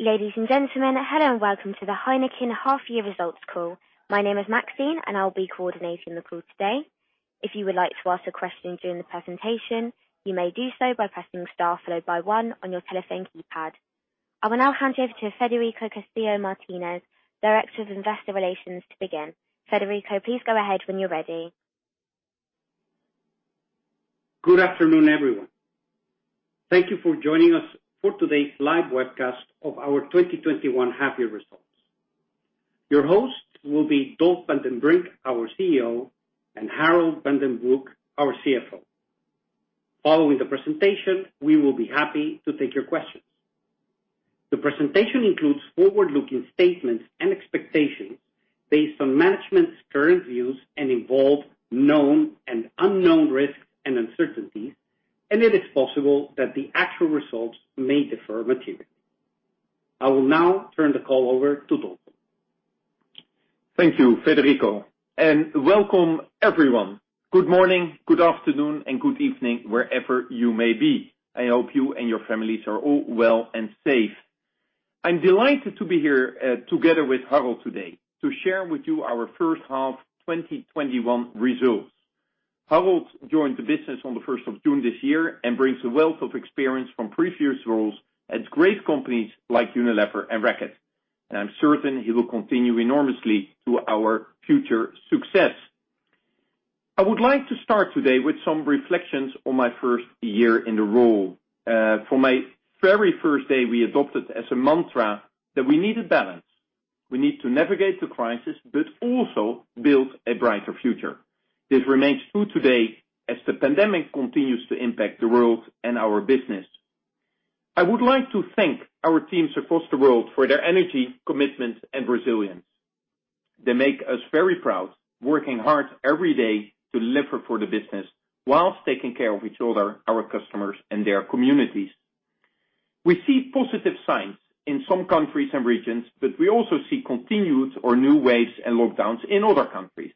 Ladies and gentlemen, hello and welcome to the Heineken Half Year Results Call. My name is Maxine, and I'll be coordinating the call today. If you would like to ask a question during the presentation, you may do so by pressing star one on your telephone keypad. I will now hand you over to Federico Castillo Martinez, Director of Investor Relations to begin. Federico, please go ahead when you're ready. Good afternoon, everyone. Thank you for joining us for today's live webcast of our 2021 half year results. Your host will be Dolf van den Brink, our CEO, and Harold van den Broek, our CFO. Following the presentation, we will be happy to take your questions. The presentation includes forward-looking statements and expectations based on management's current views and involve known and unknown risks and uncertainties, and it is possible that the actual results may differ materially. I will now turn the call over to Dolf. Thank you, Federico, and welcome everyone. Good morning, good afternoon, and good evening, wherever you may be. I hope you and your families are all well and safe. I'm delighted to be here, together with Harold today to share with you our first half 2021 results. Harold joined the business on the 1st of June this year and brings a wealth of experience from previous roles at great companies like Unilever and Reckitt. I'm certain he will continue enormously to our future success. I would like to start today with some reflections on my first year in the role. For my very first day, we adopted as a mantra that we needed balance. We need to navigate the crisis, but also build a brighter future. This remains true today as the pandemic continues to impact the world and our business. I would like to thank our teams across the world for their energy, commitment, and resilience. They make us very proud, working hard every day to deliver for the business while taking care of each other, our customers, and their communities. We see positive signs in some countries and regions, but we also see continued or new waves and lockdowns in other countries.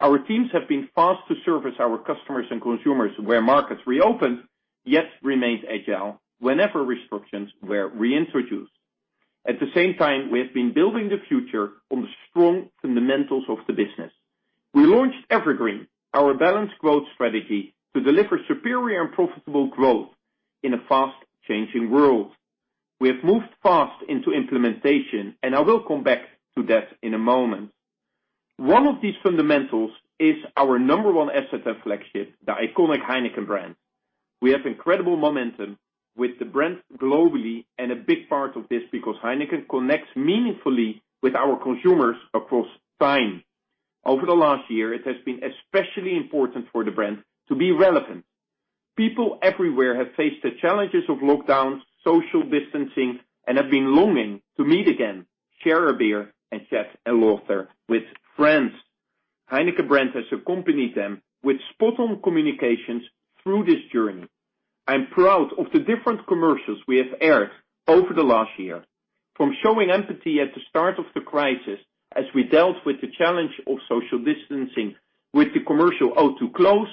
Our teams have been fast to service our customers and consumers where markets reopened yet remained agile whenever restrictions were reintroduced. At the same time, we have been building the future on the strong fundamentals of the business. We launched EverGreen, our balanced growth strategy to deliver superior and profitable growth in a fast-changing world. I will come back to that in a moment. One of these fundamentals is our number one asset and flagship, the iconic Heineken brand. We have incredible momentum with the brand globally, and a big part of this because Heineken connects meaningfully with our consumers across time. Over the last year, it has been especially important for the brand to be relevant. People everywhere have faced the challenges of lockdowns, social distancing, and have been longing to meet again, share a beer, and share a laughter with friends. Heineken brand has accompanied them with spot on communications through this journey. I'm proud of the different commercials we have aired over the last year. From showing empathy at the start of the crisis as we dealt with the challenge of social distancing with the commercial, "Ode to Close",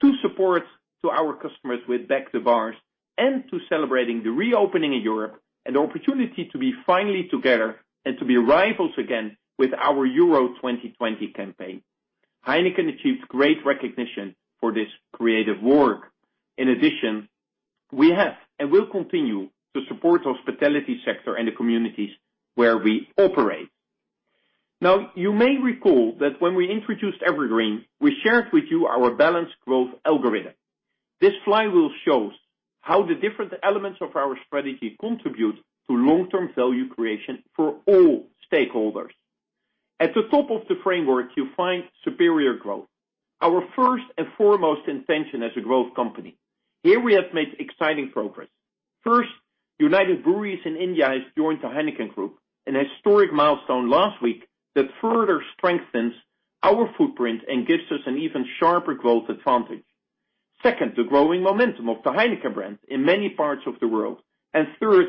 to support to our customers with Back the Bars, and to celebrating the reopening of Europe and the opportunity to be finally together and to be rivals again with our Euro 2020 campaign. Heineken achieved great recognition for this creative work. In addition, we have and will continue to support hospitality sector and the communities where we operate. Now, you may recall that when we introduced EverGreen, we shared with you our balanced growth algorithm. This flywheel shows how the different elements of our strategy contribute to long-term value creation for all stakeholders. At the top of the framework, you'll find superior growth, our first and foremost intention as a growth company. Here we have made exciting progress. First, United Breweries in India has joined the Heineken Group, an historic milestone last week that further strengthens our footprint and gives us an even sharper growth advantage. Second, the growing momentum of the Heineken brand in many parts of the world. Third,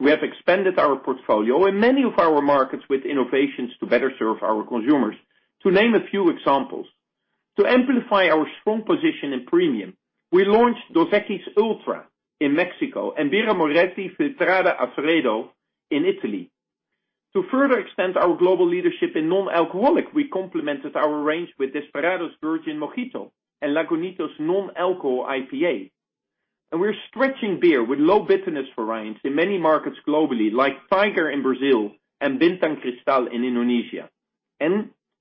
we have expanded our portfolio in many of our markets with innovations to better serve our consumers. To name a few examples, to amplify our strong position in premium, we launched Dos Equis Ultra in Mexico and Birra Moretti Filtrata a Freddo in Italy. To further extend our global leadership in non-alcoholic, we complemented our range with Desperados Virgin Mojito and Lagunitas IPNA. We're stretching beer with low bitterness variants in many markets globally, like Tiger in Brazil and Bintang Crystal in Indonesia.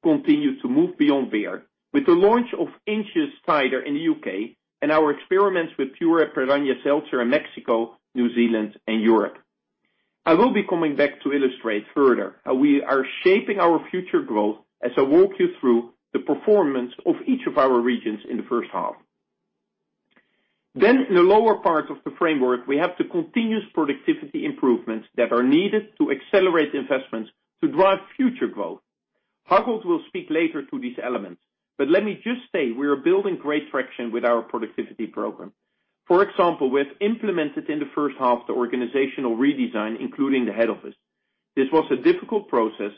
Continue to move beyond beer with the launch of Inch's Cider in the U.K. and our experiments with Pura Piraña Seltzer in Mexico, New Zealand, and Europe. I will be coming back to illustrate further how we are shaping our future growth as I walk you through the performance of each of our regions in the first half. In the lower part of the framework, we have the continuous productivity improvements that are needed to accelerate investments to drive future growth. Harold will speak later to these elements, but let me just say we are building great traction with our productivity program. For example, we have implemented in the first half the organizational redesign, including the head office. This was a difficult process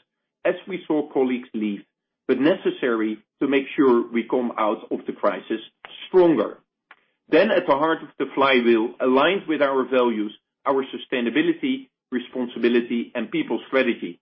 as we saw colleagues leave, but necessary to make sure we come out of the crisis stronger. At the heart of the flywheel, aligned with our values, our sustainability, responsibility, and people strategy.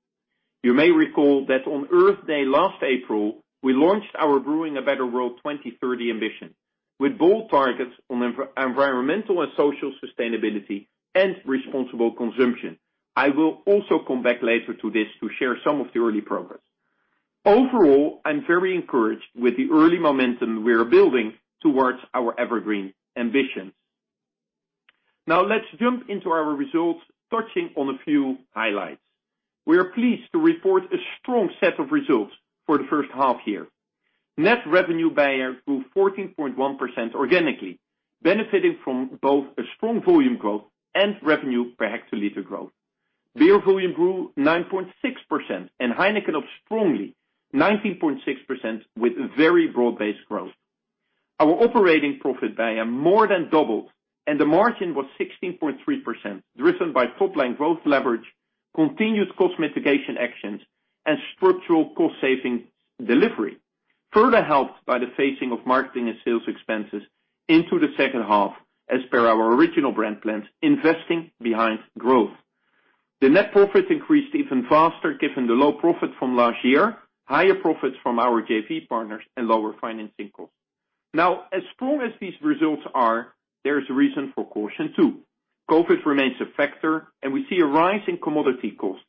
You may recall that on Earth Day last April, we launched our Brewing a Better World 2030 ambition, with bold targets on environmental and social sustainability and responsible consumption. I will also come back later to this to share some of the early progress. Overall, I am very encouraged with the early momentum we are building towards our EverGreen ambitions. Let's jump into our results, touching on a few highlights. We are pleased to report a strong set of results for the first half year. Net revenue BEIA grew 14.1% organically, benefiting from both a strong volume growth and revenue per hectoliter growth. Beer volume grew 9.6% and Heineken up strongly 19.6% with very broad-based growth. Our operating profit BEIA more than doubled, and the margin was 16.3%, driven by top-line growth leverage, continued cost mitigation actions, and structural cost-saving delivery, further helped by the phasing of marketing and sales expenses into the second half as per our original brand plans, investing behind growth. The net profit increased even faster given the low profit from last year, higher profits from our JV partners, and lower financing costs. As strong as these results are, there's reason for caution, too. COVID remains a factor, we see a rise in commodity costs.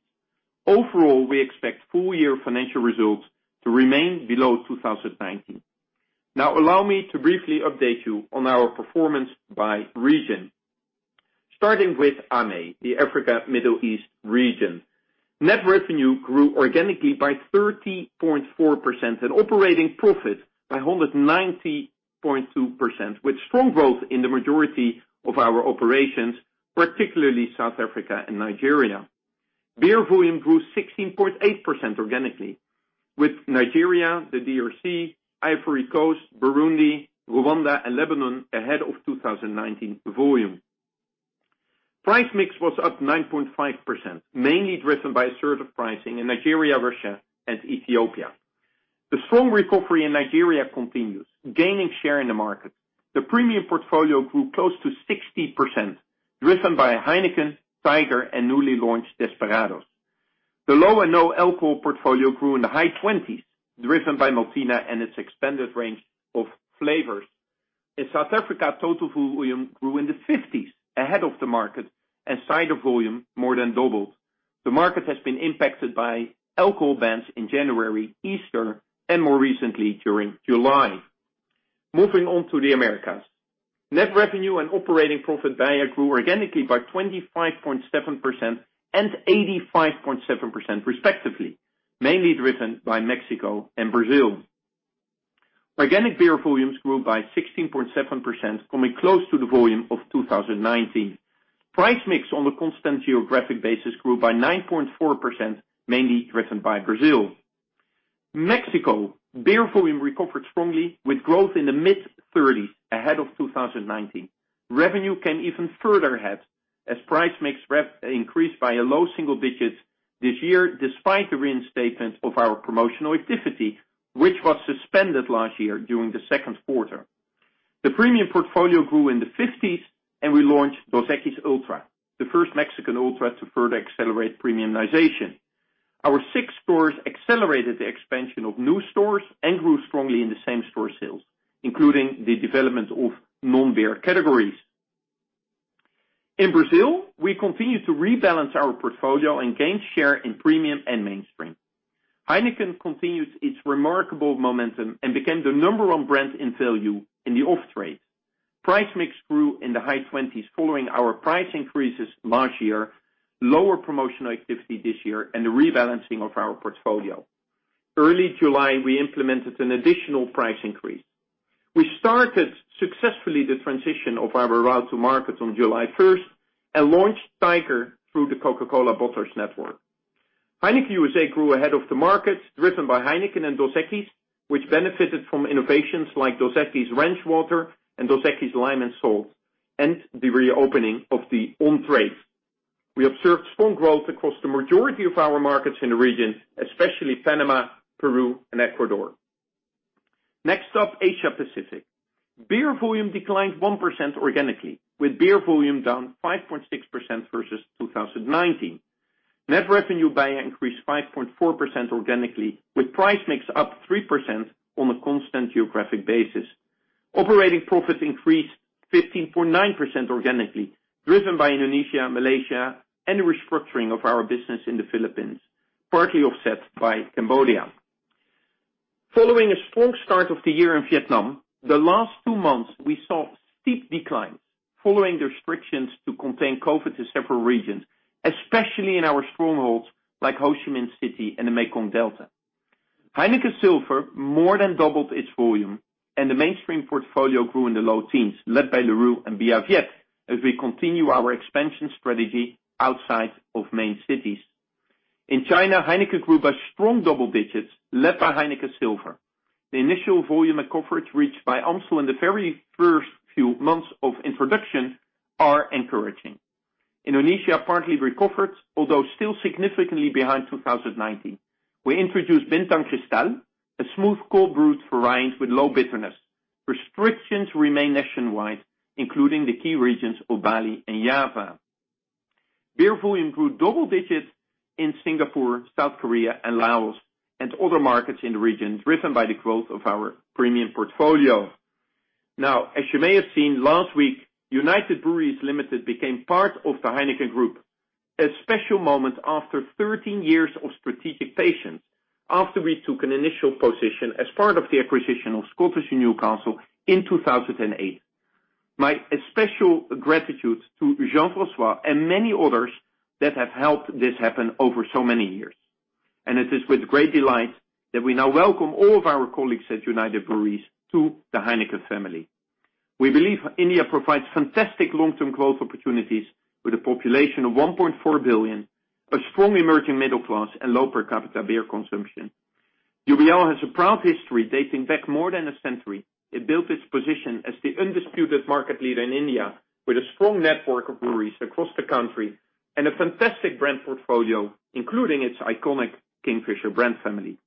Overall, we expect full-year financial results to remain below 2019. Allow me to briefly update you on our performance by region. Starting with AME, the Africa Middle East region. Net revenue grew organically by 30.4% and operating profit by 190.2%, with strong growth in the majority of our operations, particularly South Africa and Nigeria. Beer volume grew 16.8% organically with Nigeria, the DRC, Ivory Coast, Burundi, Rwanda, and Lebanon ahead of 2019 volume. Price mix was up 9.5%, mainly driven by assertive pricing in Nigeria, Russia, and Ethiopia. The strong recovery in Nigeria continues, gaining share in the market. The premium portfolio grew close to 60%, driven by Heineken, Tiger, and newly launched Desperados. The low and no alcohol portfolio grew in the high 20s, driven by Maltina and its expanded range of flavors. In South Africa, total volume grew in the 50s, ahead of the market, and cider volume more than doubled. The market has been impacted by alcohol bans in January, Easter, and more recently during July. Moving on to the Americas. Net revenue and operating profit BEIA grew organically by 25.7% and 85.7% respectively, mainly driven by Mexico and Brazil. Organic beer volumes grew by 16.7%, coming close to the volume of 2019. Price mix on a constant geographic basis grew by 9.4%, mainly driven by Brazil. Mexico, beer volume recovered strongly with growth in the mid-30s ahead of 2019. Revenue can even further ahead as price mix increased by a low single digits this year, despite the reinstatement of our promotional activity, which was suspended last year during the second quarter. The premium portfolio grew in the 50s, and we launched Dos Equis Ultra, the first Mexican ultra to further accelerate premiumization. Our Six stores accelerated the expansion of new stores and grew strongly in the same-store sales, including the development of non-beer categories. In Brazil, we continued to rebalance our portfolio and gain share in premium and mainstream. Heineken continues its remarkable momentum and became the number one brand in value in the off-trade. Price mix grew in the high 20s following our price increases last year, lower promotional activity this year, and the rebalancing of our portfolio. Early July, we implemented an additional price increase. We started successfully the transition of our route to market on July 1st and launched Tiger through the Coca-Cola bottlers network. Heineken USA grew ahead of the market, driven by Heineken and Dos Equis, which benefited from innovations like Dos Equis Ranch Water and Dos Equis Lime & Salt, and the reopening of the on-trade. We observed strong growth across the majority of our markets in the region, especially Panama, Peru, and Ecuador. Next up, Asia Pacific. Beer volume declined 1% organically, with beer volume down 5.6% versus 2019. Net revenue BEIA increased 5.4% organically, with price mix up 3% on a constant geographic basis. Operating profit increased 15.9% organically, driven by Indonesia, Malaysia, and the restructuring of our business in the Philippines, partly offset by Cambodia. Following a strong start of the year in Vietnam, the last two months, we saw steep declines following the restrictions to contain COVID to several regions, especially in our strongholds like Ho Chi Minh City and the Mekong Delta. Heineken Silver more than doubled its volume, and the mainstream portfolio grew in the low teens, led by Larue and Bia Viet, as we continue our expansion strategy outside of main cities. In China, Heineken grew by strong double digits, led by Heineken Silver. The initial volume and coverage reached by Amstel in the very first few months of introduction are encouraging. Indonesia partly recovered, although still significantly behind 2019. We introduced Bintang Crystal, a smooth cold brewed variant with low bitterness. Restrictions remain nationwide, including the key regions of Bali and Java. As you may have seen, last week, United Breweries Limited became part of the Heineken Group. A special moment after 13 years of strategic patience, after we took an initial position as part of the acquisition of Scottish & Newcastle in 2008. My special gratitude to Jean-François and many others that have helped this happen over so many years. It is with great delight that we now welcome all of our colleagues at United Breweries to the Heineken family. We believe India provides fantastic long-term growth opportunities with a population of 1.4 billion, a strong emerging middle class, and low per capita beer consumption. UBL has a proud history dating back more than a century. It built its position as the undisputed market leader in India with a strong network of breweries across the country and a fantastic brand portfolio, including its iconic Kingfisher brand family.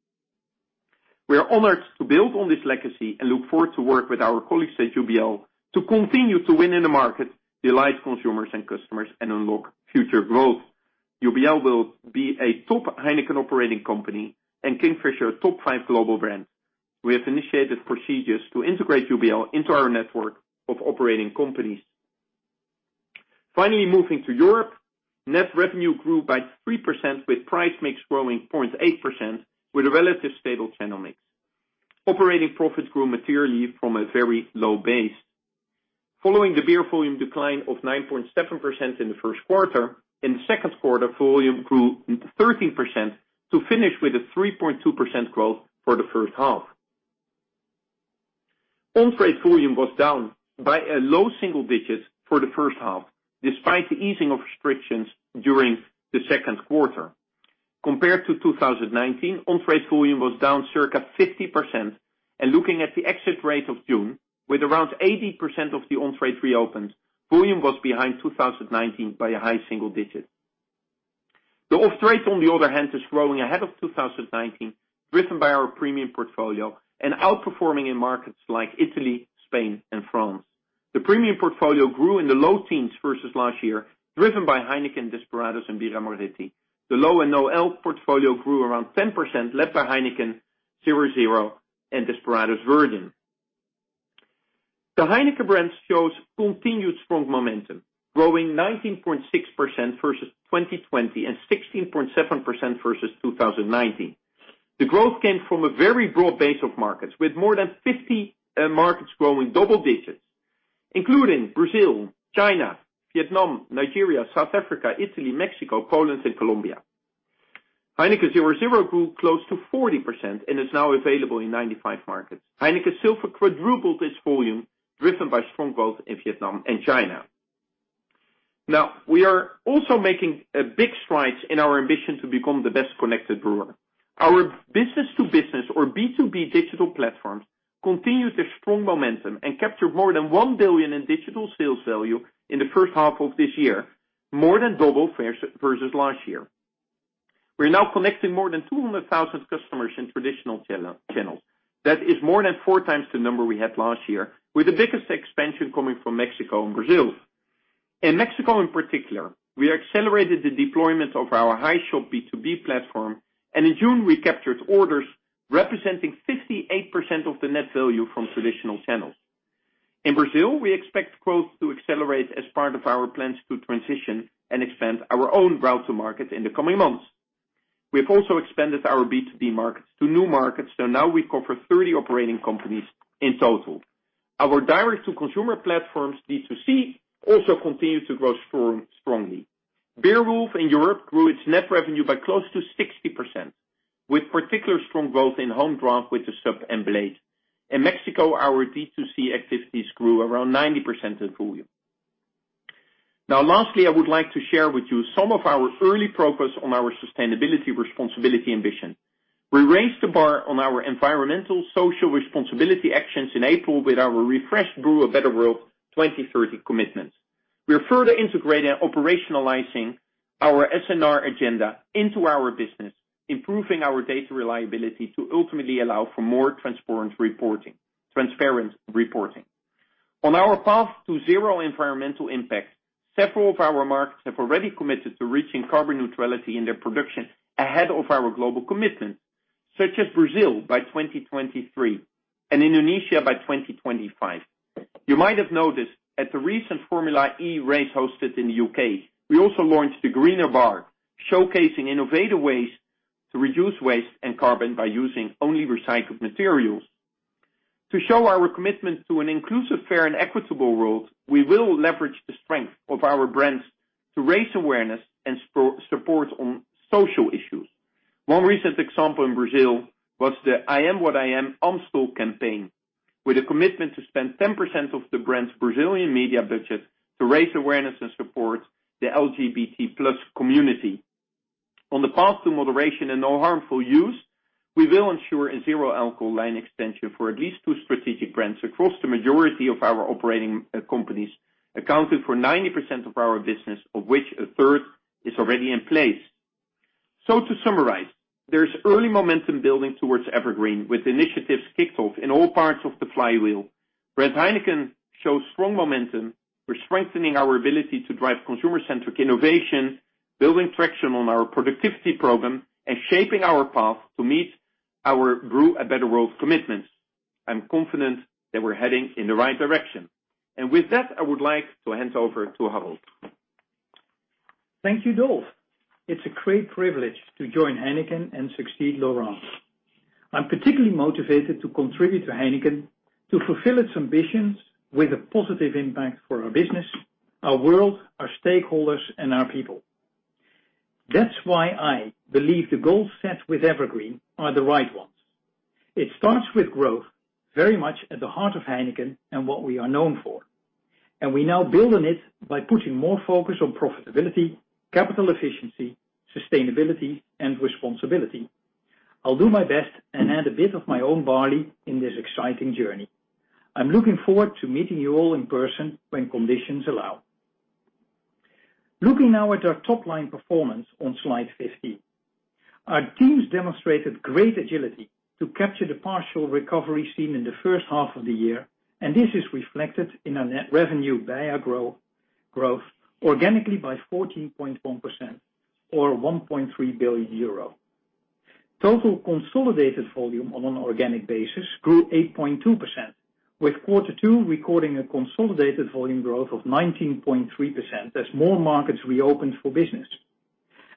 We are honored to build on this legacy and look forward to work with our colleagues at UBL to continue to win in the market, delight consumers and customers, and unlock future growth. UBL will be a top Heineken operating company and Kingfisher a top five global brand. We have initiated procedures to integrate UBL into our network of operating companies. Moving to Europe, net revenue grew by 3% with price mix growing 0.8% with a relative stable channel mix. Operating profits grew materially from a very low base. Following the beer volume decline of 9.7% in the first quarter, in the second quarter, volume grew 13% to finish with a 3.2% growth for the first half. On-trade volume was down by low single digits for the first half, despite the easing of restrictions during the second quarter. Compared to 2019, on-trade volume was down circa 50%, and looking at the exit rate of June, with around 80% of the on-trade reopened, volume was behind 2019 by a high single digit. The off-trade, on the other hand, is growing ahead of 2019, driven by our premium portfolio and outperforming in markets like Italy, Spain, and France. The premium portfolio grew in the low teens versus last year, driven by Heineken, Desperados, and Birra Moretti. The low and no-alc. portfolio grew around 10%, led by Heineken 0.0 And Desperados Virgin. The Heineken brand shows continued strong momentum, growing 19.6% versus 2020 and 16.7% versus 2019. The growth came from a very broad base of markets, with more than 50 markets growing double digits, including Brazil, China, Vietnam, Nigeria, South Africa, Italy, Mexico, Poland, and Colombia. Heineken 0.0 grew close to 40% and is now available in 95 markets. Heineken Silver quadrupled its volume, driven by strong growth in Vietnam and China. Now, we are also making big strides in our ambition to become the best-connected brewer. Our business-to-business or B2B digital platforms continued their strong momentum and captured more than 1 billion in digital sales value in the first half of this year, more than double versus last year. We are now connecting more than 200,000 customers in traditional channels. That is more than 4 times the number we had last year, with the biggest expansion coming from Mexico and Brazil. In Mexico, in particular, we accelerated the deployment of our HeiShop B2B platform, in June, we captured orders representing 58% of the net value from traditional channels. In Brazil, we expect growth to accelerate as part of our plans to transition and expand our own route to market in the coming months. We have also expanded our B2B markets to new markets, now we cover 30 operating companies in total. Our direct-to-consumer platforms, D2C, also continue to grow strongly. Beerwulf in Europe grew its net revenue by close to 60%, with particular strong growth in home draft with The Sub and Blade. In Mexico, our D2C activities grew around 90% in volume. Lastly, I would like to share with you some of our early progress on our Sustainability & Responsibility ambition. We raised the bar on our environmental social responsibility actions in April with our refreshed Brew a Better World 2030 commitment. We are further integrating and operationalizing our S&R agenda into our business, improving our data reliability to ultimately allow for more transparent reporting. On our path to zero environmental impact, several of our markets have already committed to reaching carbon neutrality in their production ahead of our global commitment, such as Brazil by 2023 and Indonesia by 2025. You might have noticed at the recent Formula E race hosted in the U.K., we also launched the Greener Bar, showcasing innovative ways to reduce waste and carbon by using only recycled materials. To show our commitment to an inclusive, fair, and equitable world, we will leverage the strength of our brands to raise awareness and support on social issues. One recent example in Brazil was the I Am What I Am Amstel campaign, with a commitment to spend 10% of the brand's Brazilian media budget to raise awareness and support the LGBT+ community. On the path to moderation and no harmful use, we will ensure a zero alcohol line extension for at least two strategic brands across the majority of our operating companies, accounting for 90% of our business, of which a third is already in place. To summarize, there's early momentum building towards EverGreen, with initiatives kicked off in all parts of the flywheel. Brand Heineken shows strong momentum. We're strengthening our ability to drive consumer-centric innovation, building traction on our productivity program, and shaping our path to meet our Brew a Better World commitments. I'm confident that we're heading in the right direction. With that, I would like to hand over to Harold. Thank you, Dolf. It's a great privilege to join Heineken and succeed Laurence Debroux. I am particularly motivated to contribute to Heineken to fulfill its ambitions with a positive impact for our business, our world, our stakeholders, and our people. That's why I believe the goals set with EverGreen are the right ones. It starts with growth very much at the heart of Heineken and what we are known for. We now build on it by putting more focus on profitability, capital efficiency, Sustainability & Responsibility. I will do my best and add a bit of my own value in this exciting journey. I am looking forward to meeting you all in person when conditions allow. Looking now at our top-line performance on slide 15. Our teams demonstrated great agility to capture the partial recovery seen in the first half of the year. This is reflected in our net revenue BEIA growth, organically by 14.1% or 1.3 billion euro. Total consolidated volume on an organic basis grew 8.2%, with quarter two recording a consolidated volume growth of 19.3% as more markets reopened for business.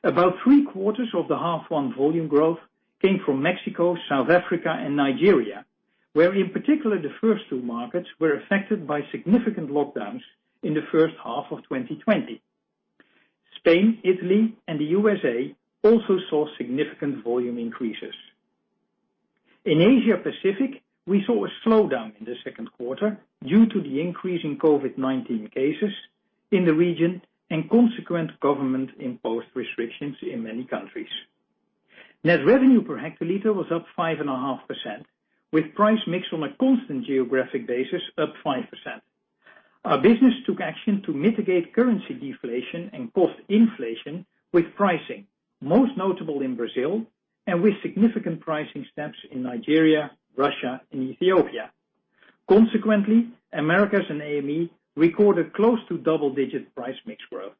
About three-quarters of the half one volume growth came from Mexico, South Africa, and Nigeria, where in particular, the first two markets were affected by significant lockdowns in the first half of 2020. Spain, Italy, and the U.S. also saw significant volume increases. In Asia Pacific, we saw a slowdown in the second quarter due to the increase in COVID-19 cases in the region and consequent government-imposed restrictions in many countries. Net revenue per hectoliter was up 5.5%, with price mix on a constant geographic basis up 5%. Our business took action to mitigate currency deflation and cost inflation with pricing, most notable in Brazil and with significant pricing steps in Nigeria, Russia, and Ethiopia. Consequently, Americas and AME recorded close to double-digit price mix growth.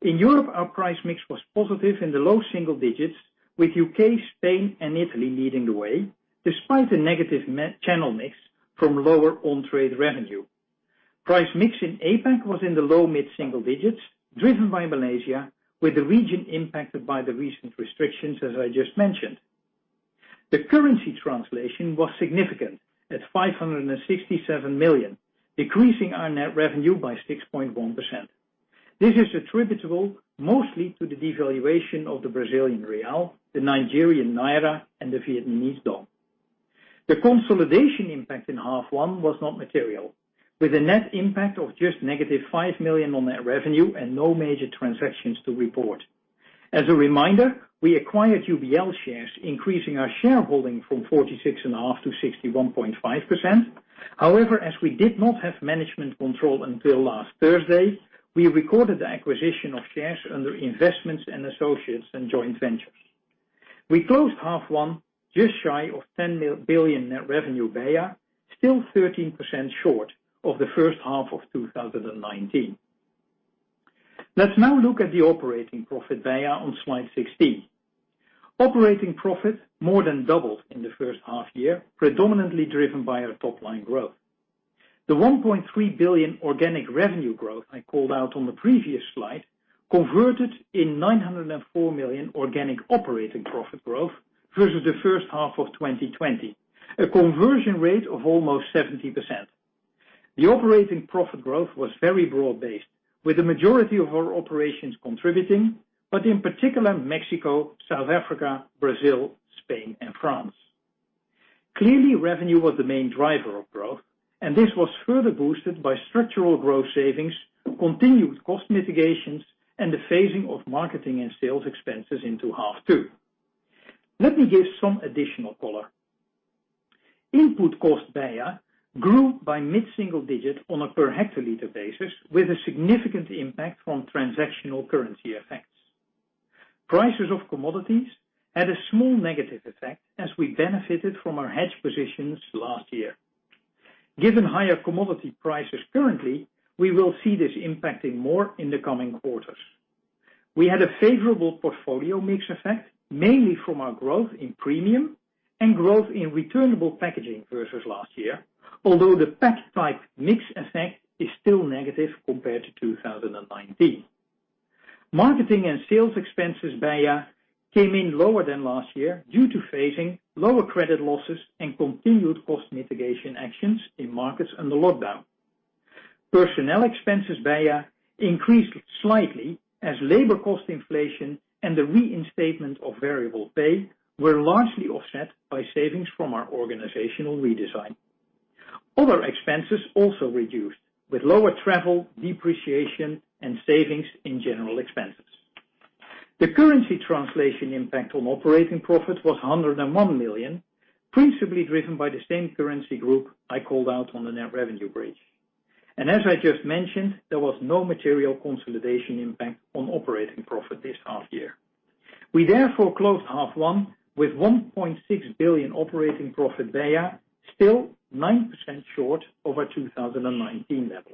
In Europe, our price mix was positive in the low single digits with U.K., Spain, and Italy leading the way, despite a negative channel mix from lower on-trade revenue. Price mix in APAC was in the low mid-single digits, driven by Malaysia, with the region impacted by the recent restrictions, as I just mentioned. The currency translation was significant at 567 million, decreasing our net revenue by 6.1%. This is attributable mostly to the devaluation of the Brazilian real, the Nigerian naira, and the Vietnamese đồng. The consolidation impact in half one was not material, with a net impact of just negative 5 million on net revenue and no major transactions to report. As a reminder, we acquired UBL shares, increasing our shareholding from 46.5%-61.5%. As we did not have management control until last Thursday, we recorded the acquisition of shares under investments in associates and joint ventures. We closed half one just shy of 10 billion net revenue BEIA, still 13% short of the first half of 2019. Let's now look at the operating profit BEIA on slide 16. Operating profit more than doubled in the first half year, predominantly driven by our top-line growth. The 1.3 billion organic revenue growth I called out on the previous slide converted in 904 million organic operating profit growth versus the first half of 2020, a conversion rate of almost 70%. The operating profit growth was very broad-based, with the majority of our operations contributing, but in particular Mexico, South Africa, Brazil, Spain, and France. Clearly, revenue was the main driver of growth, and this was further boosted by structural growth savings, continued cost mitigations, and the phasing of marketing and sales expenses into half two. Let me give some additional color. Input cost BEIA grew by mid-single digits on a per hectoliter basis, with a significant impact from transactional currency effects. Prices of commodities had a small negative effect as we benefited from our hedge positions last year. Given higher commodity prices currently, we will see this impacting more in the coming quarters. We had a favorable portfolio mix effect, mainly from our growth in premium and growth in returnable packaging versus last year. The pack type mix effect is still negative compared to 2019. Marketing and sales expenses BEIA came in lower than last year due to phasing, lower credit losses, and continued cost mitigation actions in markets under lockdown. Personnel expenses BEIA increased slightly as labor cost inflation and the reinstatement of variable pay were largely offset by savings from our organizational redesign. Other expenses also reduced with lower travel, depreciation, and savings in general expenses. The currency translation impact on operating profit was 101 million, principally driven by the same currency group I called out on the net revenue bridge. As I just mentioned, there was no material consolidation impact on operating profit this half year. We therefore closed H1 with 1.6 billion operating profit BEIA, still 9% short of our 2019 level.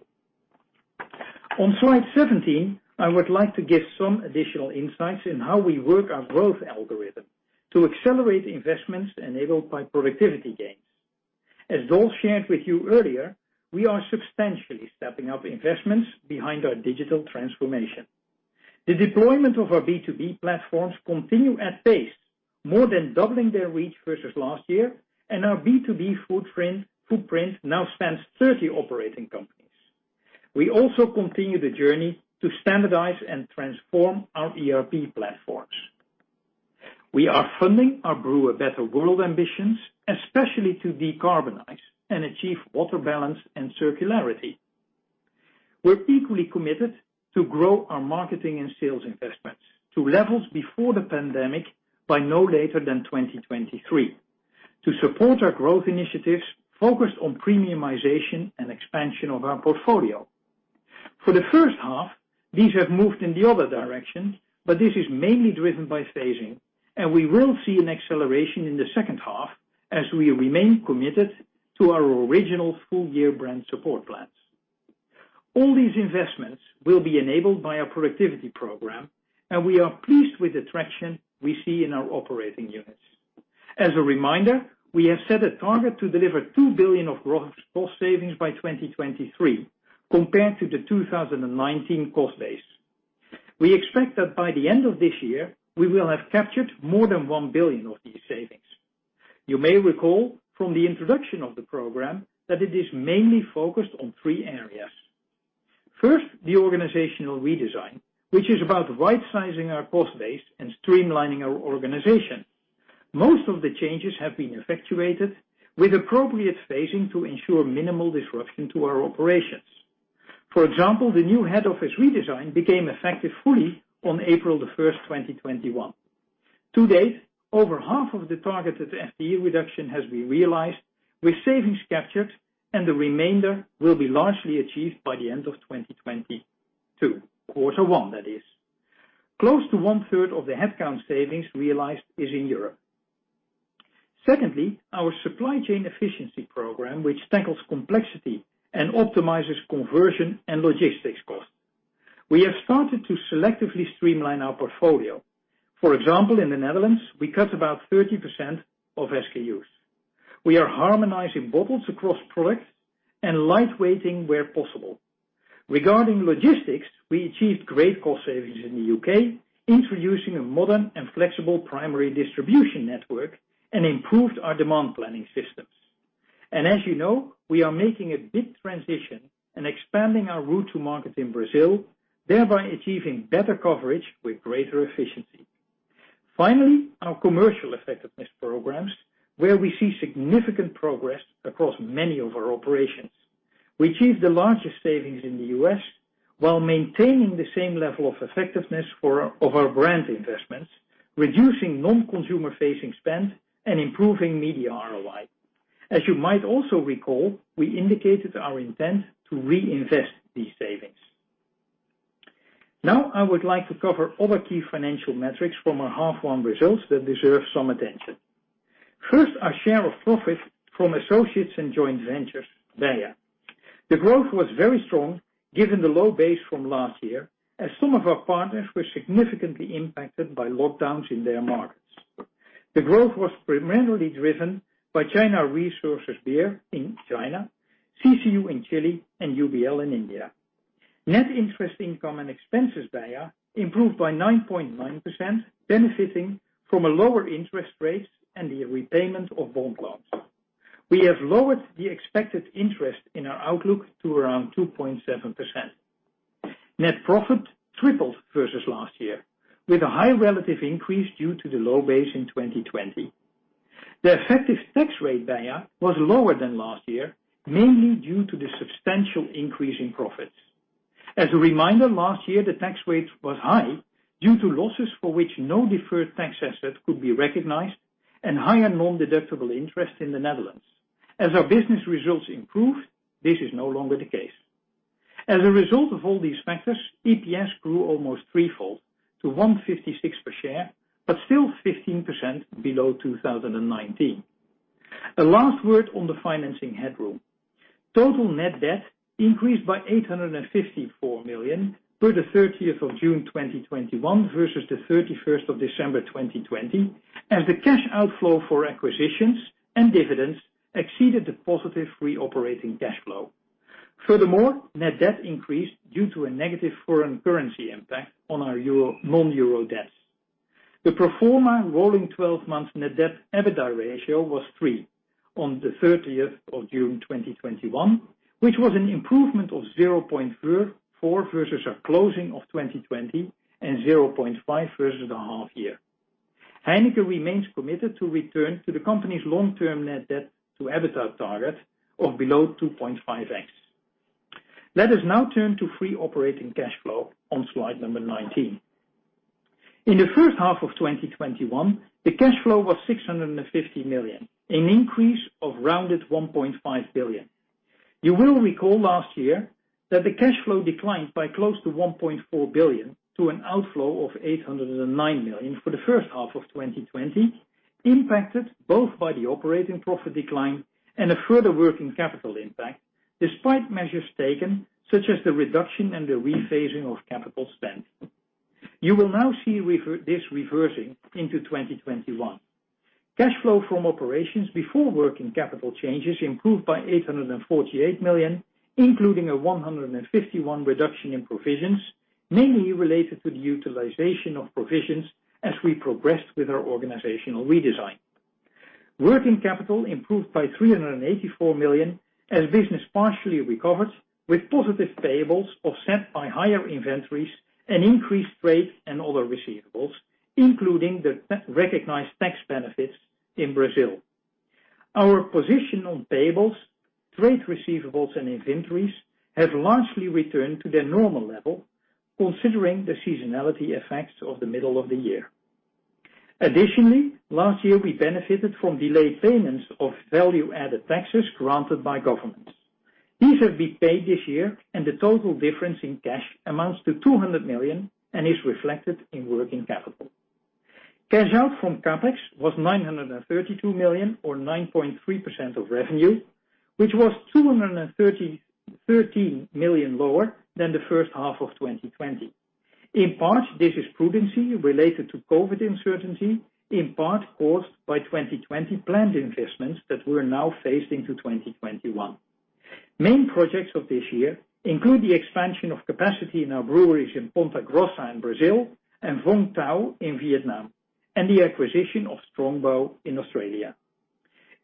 On slide 17, I would like to give some additional insights in how we work our growth algorithm to accelerate investments enabled by productivity gains. As Dolf van den Brink shared with you earlier, we are substantially stepping up investments behind our digital transformation. The deployment of our B2B platforms continue at pace, more than doubling their reach versus last year, and our B2B footprint now spans 30 operating companies. We also continue the journey to standardize and transform our ERP platforms. We are funding our Brew a Better World ambitions, especially to decarbonize and achieve water balance and circularity. We're equally committed to grow our marketing and sales investments to levels before the pandemic by no later than 2023, to support our growth initiatives, focused on premiumization and expansion of our portfolio. For the first half, these have moved in the other direction, but this is mainly driven by phasing, and we will see an acceleration in the second half as we remain committed to our original full-year brand support plans. All these investments will be enabled by our productivity program, and we are pleased with the traction we see in our operating units. As a reminder, we have set a target to deliver 2 billion of gross cost savings by 2023 compared to the 2019 cost base. We expect that by the end of this year, we will have captured more than 1 billion of these savings. You may recall from the introduction of the program that it is mainly focused on three areas. First, the organizational redesign, which is about right-sizing our cost base and streamlining our organization. Most of the changes have been effectuated with appropriate phasing to ensure minimal disruption to our operations. For example, the new head office redesign became effective fully on April 1st, 2021. To date, over half of the targeted FTE reduction has been realized with savings captured, and the remainder will be largely achieved by the end of 2022, quarter one that is. Close to one-third of the headcount savings realized is in Europe. Secondly, our supply chain efficiency program, which tackles complexity and optimizes conversion and logistics costs. We have started to selectively streamline our portfolio. For example, in the Netherlands, we cut about 30% of SKUs. We are harmonizing bottles across products and light weighting where possible. Regarding logistics, we achieved great cost savings in the U.K., introducing a modern and flexible primary distribution network and improved our demand planning systems. As you know, we are making a big transition and expanding our route to market in Brazil, thereby achieving better coverage with greater efficiency. Our commercial effectiveness programs, where we see significant progress across many of our operations. We achieved the largest savings in the U.S. while maintaining the same level of effectiveness of our brand investments, reducing non-consumer facing spend and improving media ROI. As you might also recall, we indicated our intent to reinvest these savings. I would like to cover other key financial metrics from our H1 results that deserve some attention. Our share of profit from associates and joint ventures, BEIA. The growth was very strong given the low base from last year, as some of our partners were significantly impacted by lockdowns in their markets. The growth was primarily driven by China Resources Beer in China, CCU in Chile, and UBL in India. Net interest income and expenses, BEIA, improved by 9.9%, benefiting from a lower interest rates and the repayment of bond loans. We have lowered the expected interest in our outlook to around 2.7%. Net profit tripled versus last year, with a high relative increase due to the low base in 2020. The effective tax rate, BEIA, was lower than last year, mainly due to the substantial increase in profits. As a reminder, last year, the tax rate was high due to losses for which no deferred tax asset could be recognized and higher nondeductible interest in the Netherlands. As our business results improved, this is no longer the case. As a result of all these factors, EPS grew almost threefold to 156 per share, but still 15% below 2019. A last word on the financing headroom. Total net debt increased by 854 million through the 30th of June 2021 versus the 31st of December 2020, as the cash outflow for acquisitions and dividends exceeded the positive free operating cash flow. Furthermore, net debt increased due to a negative foreign currency impact on our non-euro debts. The pro forma rolling 12 months net debt EBITDA ratio was three on the 30th of June 2021, which was an improvement of 0.4 versus our closing of 2020 and 0.5 versus the half year. Heineken remains committed to return to the company's long-term net debt to EBITDA target of below 2.5x. Let us now turn to free operating cash flow on slide number 19. In the first half of 2021, the cash flow was 650 million, an increase of rounded 1.5 billion. You will recall last year that the cash flow declined by close to 1.4 billion to an outflow of 809 million for the first half of 2020, impacted both by the operating profit decline and a further working capital impact despite measures taken, such as the reduction and the rephasing of capital spend. You will now see this reversing into 2021. Cash flow from operations before working capital changes improved by 848 million, including a 151 million reduction in provisions, mainly related to the utilization of provisions as we progressed with our organizational redesign. Working capital improved by 384 million as business partially recovered with positive payables offset by higher inventories and increased trade and other receivables, including the recognized tax benefits in Brazil. Our position on payables, trade receivables, and inventories have largely returned to their normal level considering the seasonality effects of the middle of the year. Additionally, last year, we benefited from delayed payments of value-added taxes granted by governments. These have been paid this year, and the total difference in cash amounts to 200 million and is reflected in working capital. Cash out from CapEx was 932 million or 9.3% of revenue, which was 213 million lower than the first half of 2020. In part, this is prudency related to COVID uncertainty, in part caused by 2020 planned investments that we're now phased into 2021. Main projects of this year include the expansion of capacity in our breweries in Ponta Grossa in Brazil and Vung Tau in Vietnam, and the acquisition of Strongbow in Australia.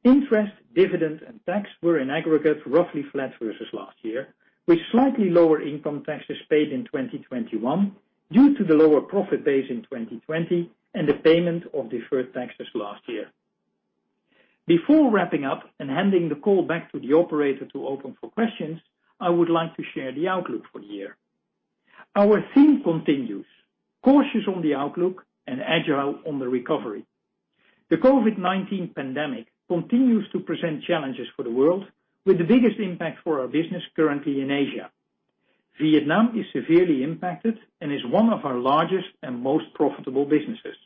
Interest, dividends, and tax were in aggregate, roughly flat versus last year, with slightly lower income taxes paid in 2021 due to the lower profit base in 2020 and the payment of deferred taxes last year. Before wrapping up and handing the call back to the operator to open for questions, I would like to share the outlook for the year. Our theme continues, cautious on the outlook and agile on the recovery. The COVID-19 pandemic continues to present challenges for the world, with the biggest impact for our business currently in Asia. Vietnam is severely impacted and is one of our largest and most profitable businesses.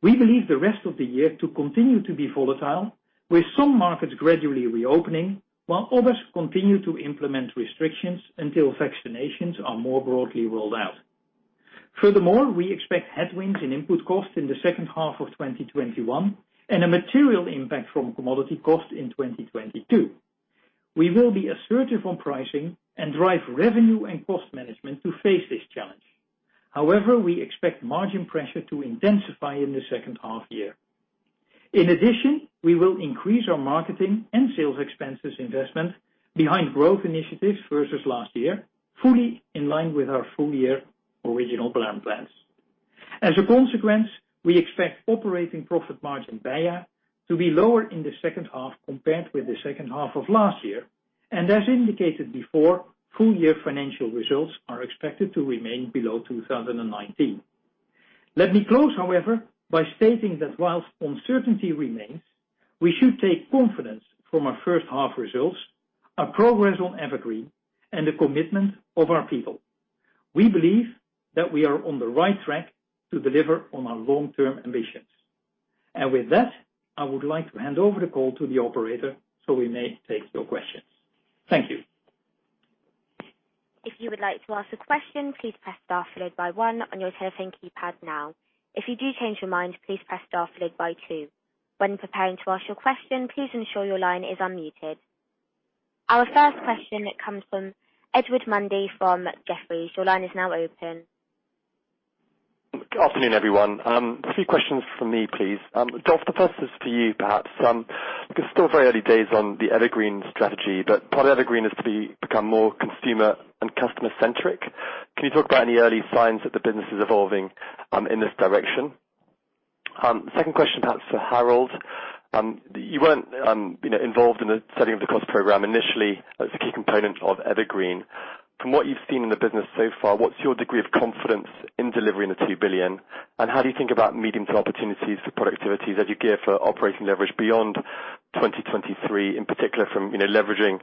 We believe the rest of the year to continue to be volatile, with some markets gradually reopening while others continue to implement restrictions until vaccinations are more broadly rolled out. Furthermore, we expect headwinds in input costs in the second half of 2021 and a material impact from commodity costs in 2022. We will be assertive on pricing and drive revenue and cost management to face this challenge. However, we expect margin pressure to intensify in the second half year. In addition, we will increase our marketing and sales expenses investment behind growth initiatives versus last year, fully in line with our full-year original plans. As a consequence, we expect operating profit margin BEIA to be lower in the second half compared with the second half of last year. As indicated before, full-year financial results are expected to remain below 2019. Let me close, however, by stating that whilst uncertainty remains, we should take confidence from our first half results, our progress on EverGreen, and the commitment of our people. We believe that we are on the right track to deliver on our long-term ambitions. With that, I would like to hand over the call to the operator so we may take your questions. Thank you. Our first question comes from Edward Mundy from Jefferies. Your line is now open. Good afternoon, everyone. Three questions from me, please. Dolf, the first is for you, perhaps. Because it's still very early days on the EverGreen strategy, but part of EverGreen is to become more consumer and customer-centric. Can you talk about any early signs that the business is evolving in this direction? Second question, perhaps for Harold. You weren't involved in the setting of the cost program initially as a key component of EverGreen. From what you've seen in the business so far, what's your degree of confidence in delivering the 2 billion? How do you think about medium-term opportunities for productivities as you gear for operating leverage beyond 2023, in particular from leveraging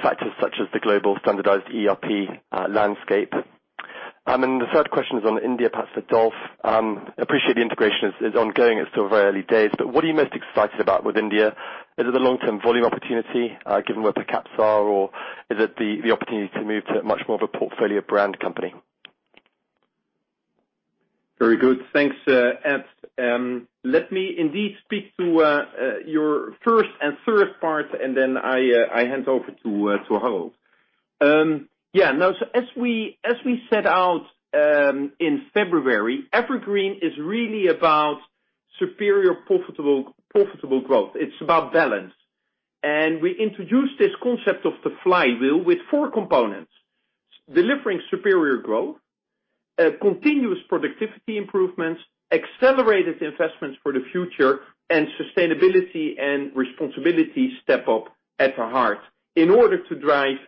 factors such as the global standardized ERP landscape? The third question is on India, perhaps for Dolf. Appreciate the integration is ongoing. It's still very early days, what are you most excited about with India? Is it the long-term volume opportunity, given where per caps are, or is it the opportunity to move to much more of a portfolio brand company? Very good. Thanks, Edward. Let me indeed speak to your first and third part, then I hand over to Harold. As we set out in February, EverGreen is really about superior profitable growth. It's about balance. We introduced this concept of the flywheel with four components. Delivering superior growth, continuous productivity improvements, accelerated investments for the future, and Sustainability & Responsibility step up at the heart in order to drive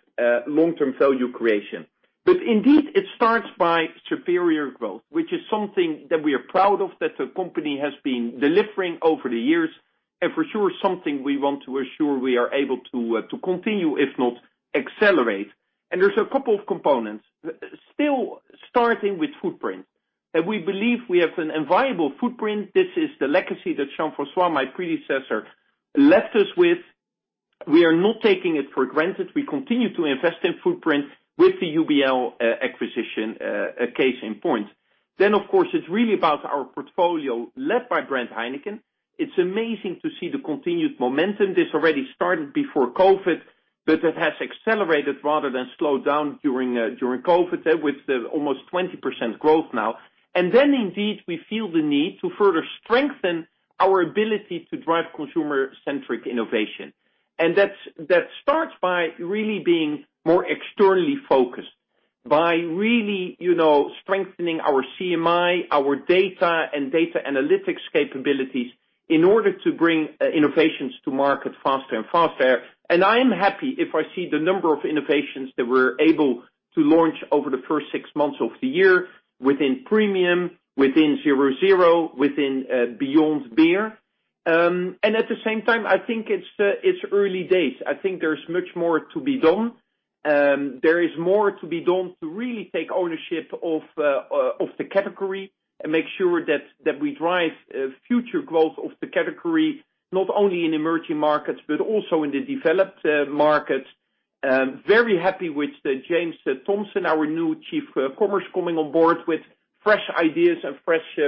long-term value creation. Indeed, it starts by superior growth, which is something that we are proud of, that the company has been delivering over the years, and for sure, something we want to assure we are able to continue, if not accelerate. There's a couple of components. Still starting with footprint. We believe we have an enviable footprint. This is the legacy that Jean-François, my predecessor, left us with. We are not taking it for granted. We continue to invest in footprint with the UBL acquisition, a case in point. Of course, it's really about our portfolio led by brand Heineken. It's amazing to see the continued momentum. This already started before COVID, but it has accelerated rather than slowed down during COVID, with almost 20% growth now. Then, indeed, we feel the need to further strengthen our ability to drive consumer-centric innovation. That starts by really being more externally focused, by really strengthening our CMI, our data and data analytics capabilities in order to bring innovations to market faster and faster. I am happy if I see the number of innovations that we're able to launch over the first six months of the year within premium, within 0.0, within beyond beer. At the same time, I think it's early days. I think there's much more to be done. There is more to be done to really take ownership of the category and make sure that we drive future growth of the category, not only in emerging markets, but also in the developed markets. Very happy with James Thompson, our new Chief Commerce, coming on board with fresh ideas and fresh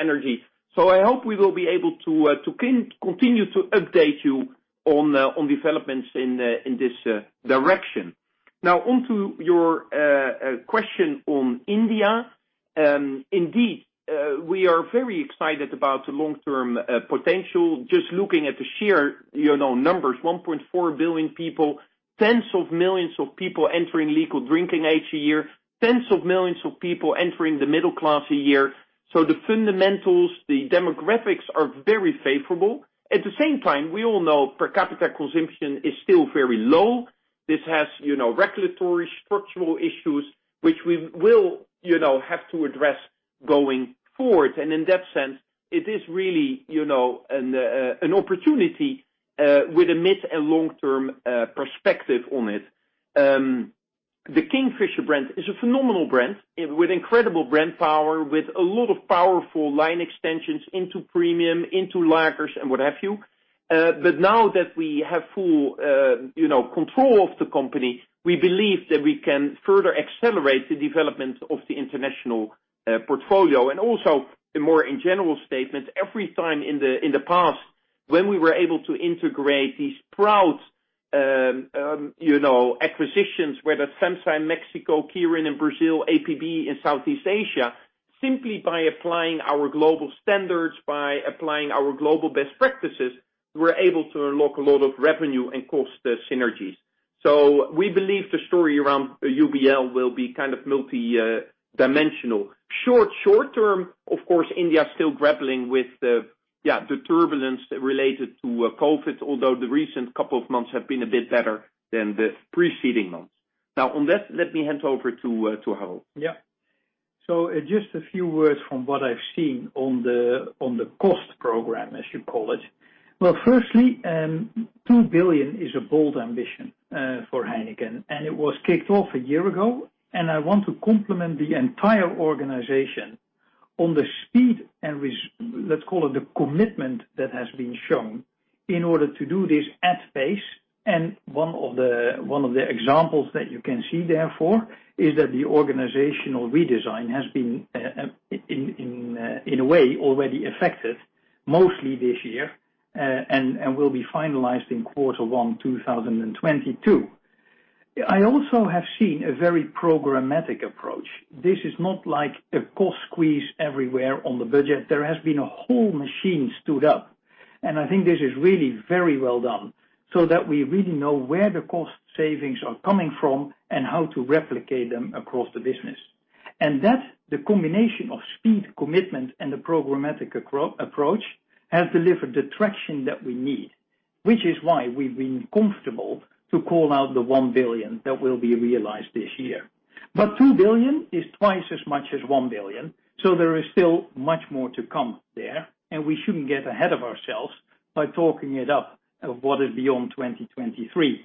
energy. I hope we will be able to continue to update you on developments in this direction. Now on to your question on India. Indeed, we are very excited about the long-term potential. Just looking at the sheer numbers, 1.4 billion people, tens of millions of people entering legal drinking age a year, tens of millions of people entering the middle class a year. The fundamentals, the demographics are very favorable. At the same time, we all know per capita consumption is still very low. This has regulatory structural issues which we will have to address going forward. In that sense, it is really an opportunity with a mid and long-term perspective on it. The Kingfisher brand is a phenomenal brand with incredible brand power, with a lot of powerful line extensions into premium, into lagers, and what have you. Now that we have full control of the company, we believe that we can further accelerate the development of the international portfolio. Also a more in general statement, every time in the past when we were able to integrate these proud acquisitions, whether FEMSA in Mexico, Kirin in Brazil, APB in Southeast Asia, simply by applying our global standards, by applying our global best practices, we're able to unlock a lot of revenue and cost synergies. We believe the story around UBL will be kind of multi-dimensional. Short-term, of course, India is still grappling with the turbulence related to COVID, although the recent couple of months have been a bit better than the preceding months. On that, let me hand over to Harold. Yeah. Just a few words from what I've seen on the cost program, as you call it. Well, firstly, 2 billion is a bold ambition for Heineken, it was kicked off one year ago, I want to compliment the entire organization on the speed and let's call it the commitment that has been shown in order to do this at pace. One of the examples that you can see therefore is that the organizational redesign has been, in a way, already effective mostly this year, and will be finalized in Q1 2022. I also have seen a very programmatic approach. This is not like a cost squeeze everywhere on the budget. There has been a whole machine stood up, and I think this is really very well done, so that we really know where the cost savings are coming from and how to replicate them across the business. That, the combination of speed, commitment, and the programmatic approach, has delivered the traction that we need, which is why we've been comfortable to call out the 1 billion that will be realized this year. 2 billion is twice as much as 1 billion, so there is still much more to come there, and we shouldn't get ahead of ourselves by talking it up of what is beyond 2023.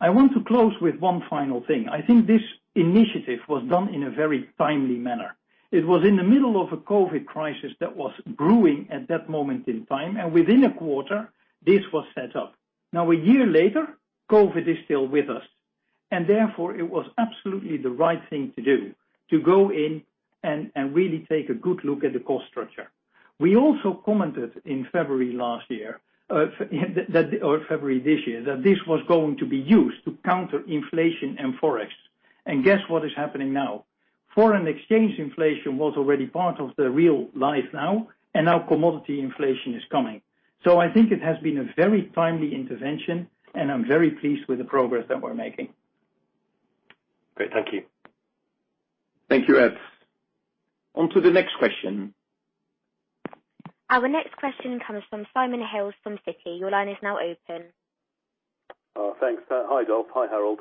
I want to close with one final thing. I think this initiative was done in a very timely manner. It was in the middle of a COVID crisis that was brewing at that moment in time. Within a quarter, this was set up. Now, a year later, COVID is still with us, and therefore it was absolutely the right thing to do to go in and really take a good look at the cost structure. We also commented in February last year, or February this year, that this was going to be used to counter inflation and forex. Guess what is happening now? Foreign exchange inflation was already part of the real life now, and now commodity inflation is coming. I think it has been a very timely intervention, and I'm very pleased with the progress that we're making. Great. Thank you. Thank you, Ed. On to the next question. Our next question comes from Simon Hales from Citi. Your line is now open. Thanks. Hi, Dolf. Hi, Harold.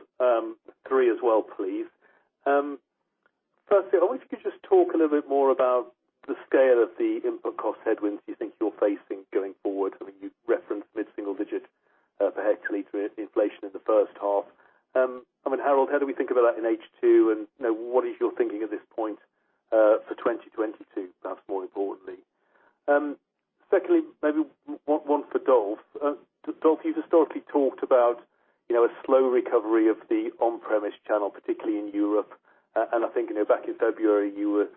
three as well, please. Firstly, I wonder if you could just talk a little bit more about the scale of the input cost headwinds you're facing going forward. I mean, you referenced mid-single digit for head inflation in the first half. Harold, how do we think about that in H2 and what is your thinking at this point, for 2022, perhaps more importantly? Secondly, maybe one for Dolf. Dolf, you've historically talked about a slow recovery of the on-premise channel, particularly in Europe, and I think back in February you were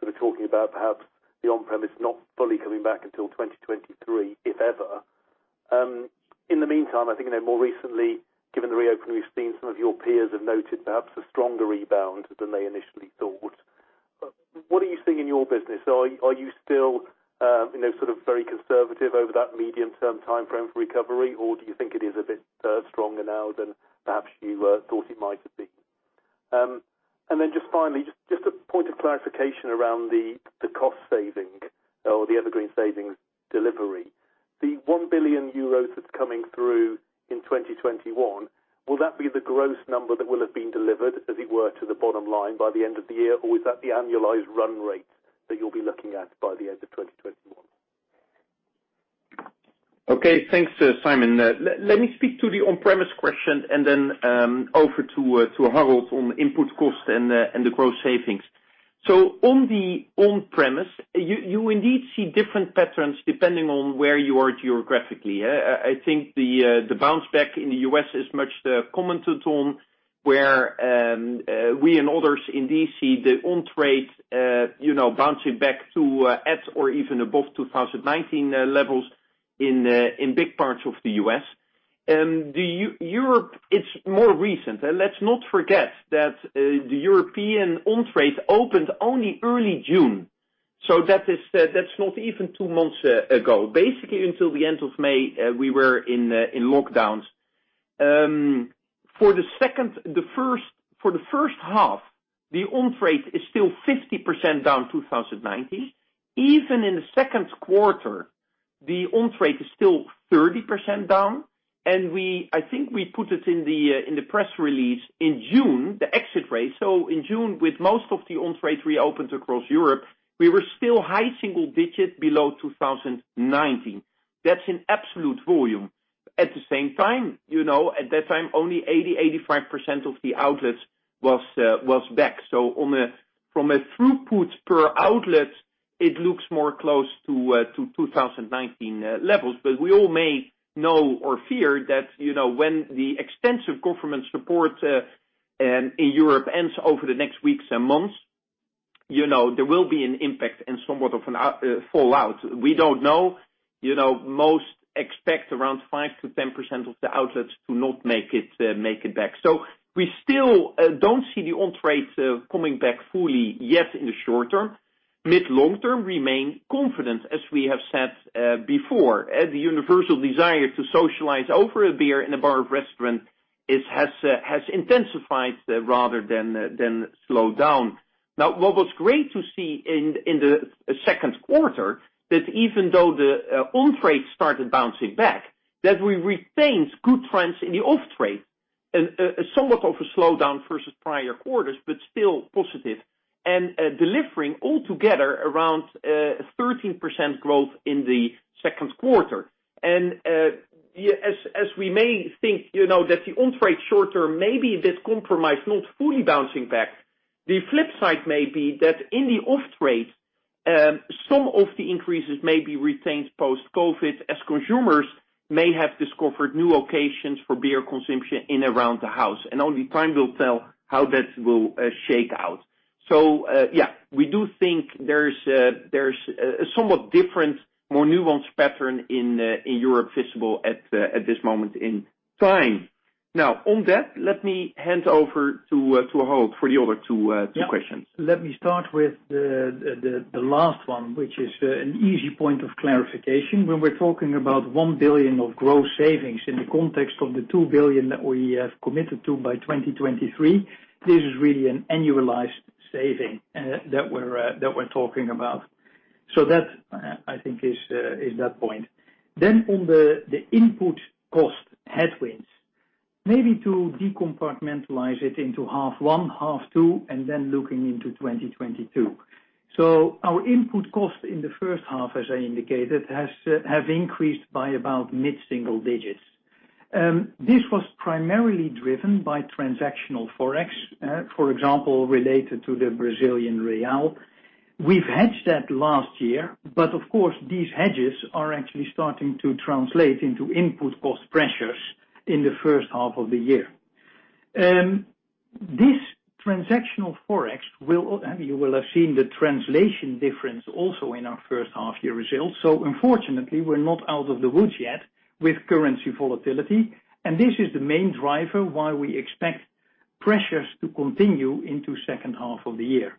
sort of talking about perhaps the on-premise not fully coming back until 2023, if ever. In the meantime, I think more recently, given the reopening we've seen, some of your peers have noted perhaps a stronger rebound than they initially thought. What are you seeing in your business? Are you still sort of very conservative over that medium term timeframe for recovery, or do you think it is a bit stronger now than perhaps you thought it might be? Just finally, just a point of clarification around the cost saving or the EverGreen savings delivery. The 1 billion euros that's coming through in 2021, will that be the gross number that will have been delivered, as it were, to the bottom line by the end of the year, or is that the annualized run rate that you'll be looking at by the end of 2021? Okay, thanks, Simon. Let me speak to the on-premise question and then over to Harold on input cost and the growth savings. On the on-premise, you indeed see different patterns depending on where you are geographically. I think the bounce back in the U.S. is much commented on, where we and others indeed see the on-trade bouncing back to at or even above 2019 levels in big parts of the U.S. Europe, it's more recent. Let's not forget that the European on-trade opened only early June. That's not even two months ago. Basically until the end of May, we were in lockdowns. For the first half, the on-trade is still 50% down 2019. Even in the second quarter, the on-trade is still 30% down. I think we put it in the press release in June, the exit rate. In June, with most of the on-trade reopened across Europe, we were still high single-digits below 2019. That's in absolute volume. At the same time, at that time, only 80%-85% of the outlets was back. From a throughput per outlet, it looks more close to 2019 levels. We all may know or fear that when the extensive government support in Europe ends over the next weeks and months, there will be an impact and somewhat of a fallout. We don't know. Most expect around 5%-10% of the outlets to not make it back. We still don't see the on-trade coming back fully yet in the short term. Mid, long term, remain confident, as we have said before. The universal desire to socialize over a beer in a bar or restaurant has intensified rather than slowed down. What was great to see in the second quarter, that even though the on-trade started bouncing back, that we retained good trends in the off-trade. Somewhat of a slowdown versus prior quarters, but still positive, and delivering altogether around a 13% growth in the second quarter. As we may think that the on-trade short term may be a bit compromised, not fully bouncing back, the flip side may be that in the off-trade, some of the increases may be retained post-COVID as consumers may have discovered new occasions for beer consumption in around the house, and only time will tell how that will shake out. Yeah, we do think there's a somewhat different, more nuanced pattern in Europe visible at this moment in time. On that, let me hand over to Harold for the other two questions. Yeah. Let me start with the last one, which is an easy point of clarification. When we're talking about 1 billion of gross savings in the context of the 2 billion that we have committed to by 2023, this is really an annualized saving that we're talking about. That, I think, is that point. On the input cost headwinds, maybe to decompartmentalize it into half one, half two, and then looking into 2022. Our input cost in the first half, as I indicated, have increased by about mid-single digits. This was primarily driven by transactional Forex, for example, related to the Brazilian real. We've hedged that last year, of course, these hedges are actually starting to translate into input cost pressures in the first half of the year. This transactional Forex, you will have seen the translation difference also in our first half year results. Unfortunately, we're not out of the woods yet with currency volatility. This is the main driver why we expect pressures to continue into the second half of the year.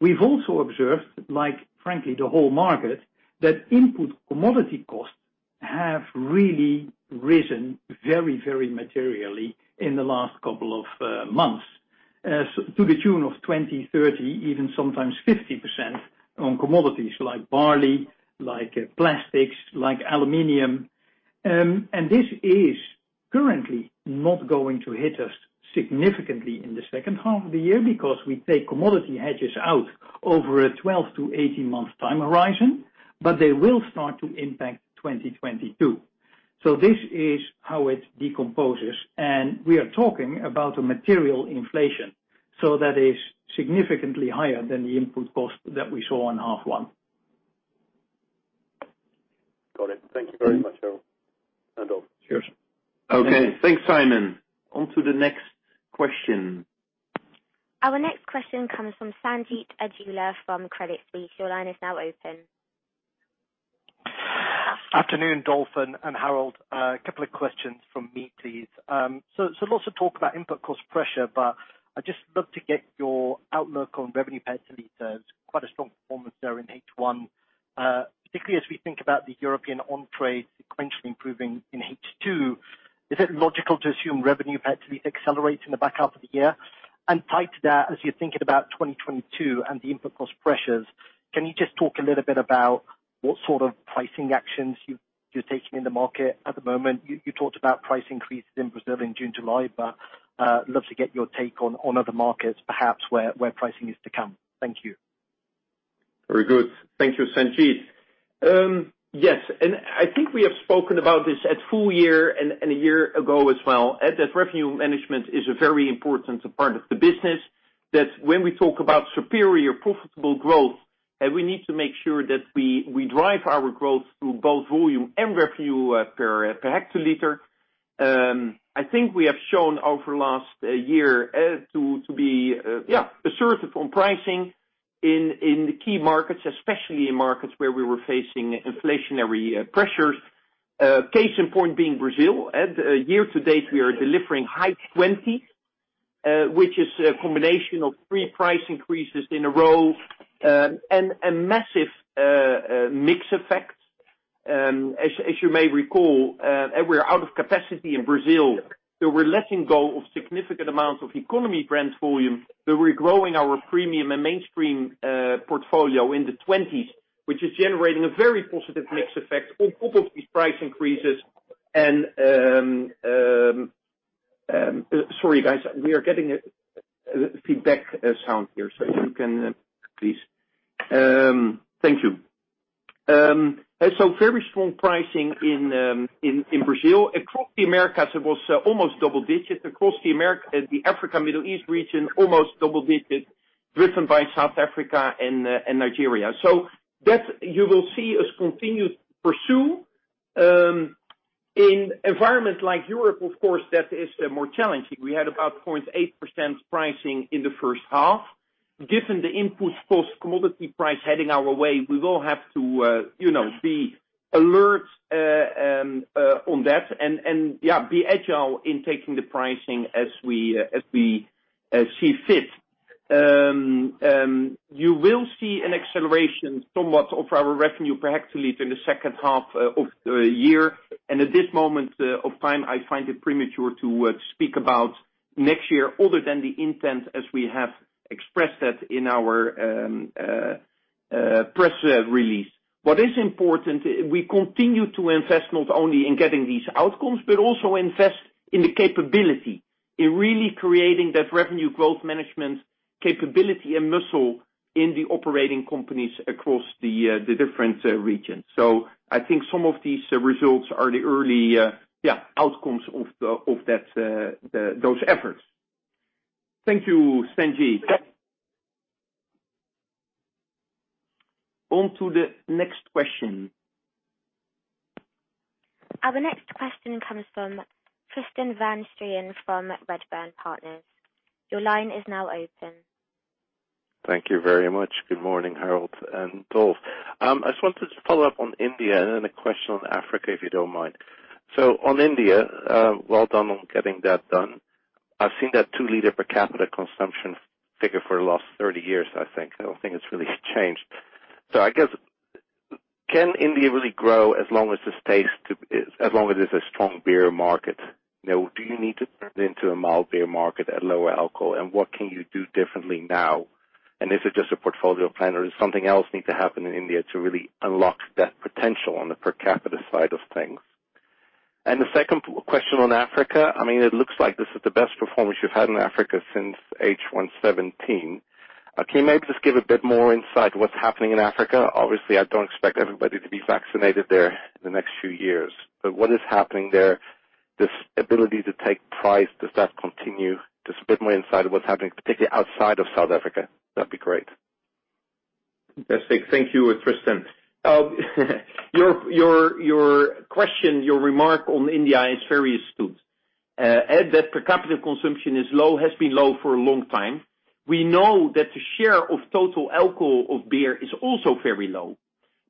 We've also observed, like frankly, the whole market, that input commodity costs have really risen very, very materially in the last couple of months, to the tune of 20%, 30%, even sometimes 50% on commodities like barley, like plastics, like aluminum. This is currently not going to hit us significantly in the second half of the year because we take commodity hedges out over a 12-18 month time horizon. They will start to impact 2022. This is how it decomposes, and we are talking about a material inflation. That is significantly higher than the input cost that we saw in half one. Got it. Thank you very much, Harold and Dolf. Cheers. Okay. Thanks, Simon. On to the next question. Our next question comes from Sanjeet Aujla from Credit Suisse. Your line is now open. Afternoon, Dolf and Harold. A couple of questions from me, please. Lots of talk about input cost pressure, but I'd just love to get your outlook on revenue per hectoliters. Quite a strong performance there in H1. Particularly as we think about the European on-trade sequentially improving in H2, is it logical to assume revenue per hectoliter accelerates in the back half of the year? Tied to that, as you're thinking about 2022 and the input cost pressures, can you just talk a little bit about what sort of pricing actions you're taking in the market at the moment? You talked about price increases in Brazil in June, July, but love to get your take on other markets perhaps where pricing is to come. Thank you. Very good. Thank you, Sanjeet Aujla. Yes. I think we have spoken about this at full year and a year ago as well, that revenue management is a very important part of the business. When we talk about superior profitable growth, we need to make sure that we drive our growth through both volume and revenue per hectoliter. I think we have shown over last year to be assertive on pricing in the key markets, especially in markets where we were facing inflationary pressures. Case in point being Brazil. Year to date, we are delivering high 20%, which is a combination of three price increases in a row, and a massive mix effect. As you may recall, we're out of capacity in Brazil. We're letting go of significant amounts of economy brand volume, but we're growing our premium and mainstream portfolio in the 20s, which is generating a very positive mix effect on top of these price increases. Sorry, guys. We are getting a feedback sound here. If you can, please. Thank you. Very strong pricing in Brazil. Across the Americas, it was almost double digits. Across the Africa, Middle East region, almost double digits driven by South Africa and Nigeria. That you will see us continue to pursue. In environments like Europe, of course, that is more challenging. We had about 0.8% pricing in the first half. Given the input cost commodity price heading our way, we will have to be alert on that and be agile in taking the pricing as we see fit. You will see an acceleration somewhat of our revenue per hectolitre in the second half of the year. At this moment of time, I find it premature to speak about next year other than the intent as we have expressed that in our press release. What is important, we continue to invest not only in getting these outcomes, but also invest in the capability, in really creating that revenue growth management capability and muscle in the operating companies across the different regions. I think some of these results are the early outcomes of those efforts. Thank you, Sanjeet. On to the next question. Our next question comes from Raoul-Tristan van Strien from Redburn Partners. Your line is now open. Thank you very much. Good morning, Harold and Dolf. I just wanted to follow up on India and then a question on Africa, if you don't mind. On India, well done on getting that done. I've seen that two liter per capita consumption figure for the last 30 years, I think. I don't think it's really changed. I guess, can India really grow as long as it is a strong beer market? Do you need to turn it into a mild beer market at lower alcohol, and what can you do differently now? Is it just a portfolio plan, or does something else need to happen in India to really unlock that potential on the per capita side of things? The second question on Africa, it looks like this is the best performance you've had in Africa since H1 2017. Can you maybe just give a bit more insight what's happening in Africa? Obviously, I don't expect everybody to be vaccinated there in the next few years, but what is happening there, this ability to take price, does that continue? Just a bit more insight of what's happening, particularly outside of South Africa. That would be great. Thank you, Tristan. Your question, your remark on India is very astute. That per capita consumption is low, has been low for a long time. We know that the share of total alcohol of beer is also very low.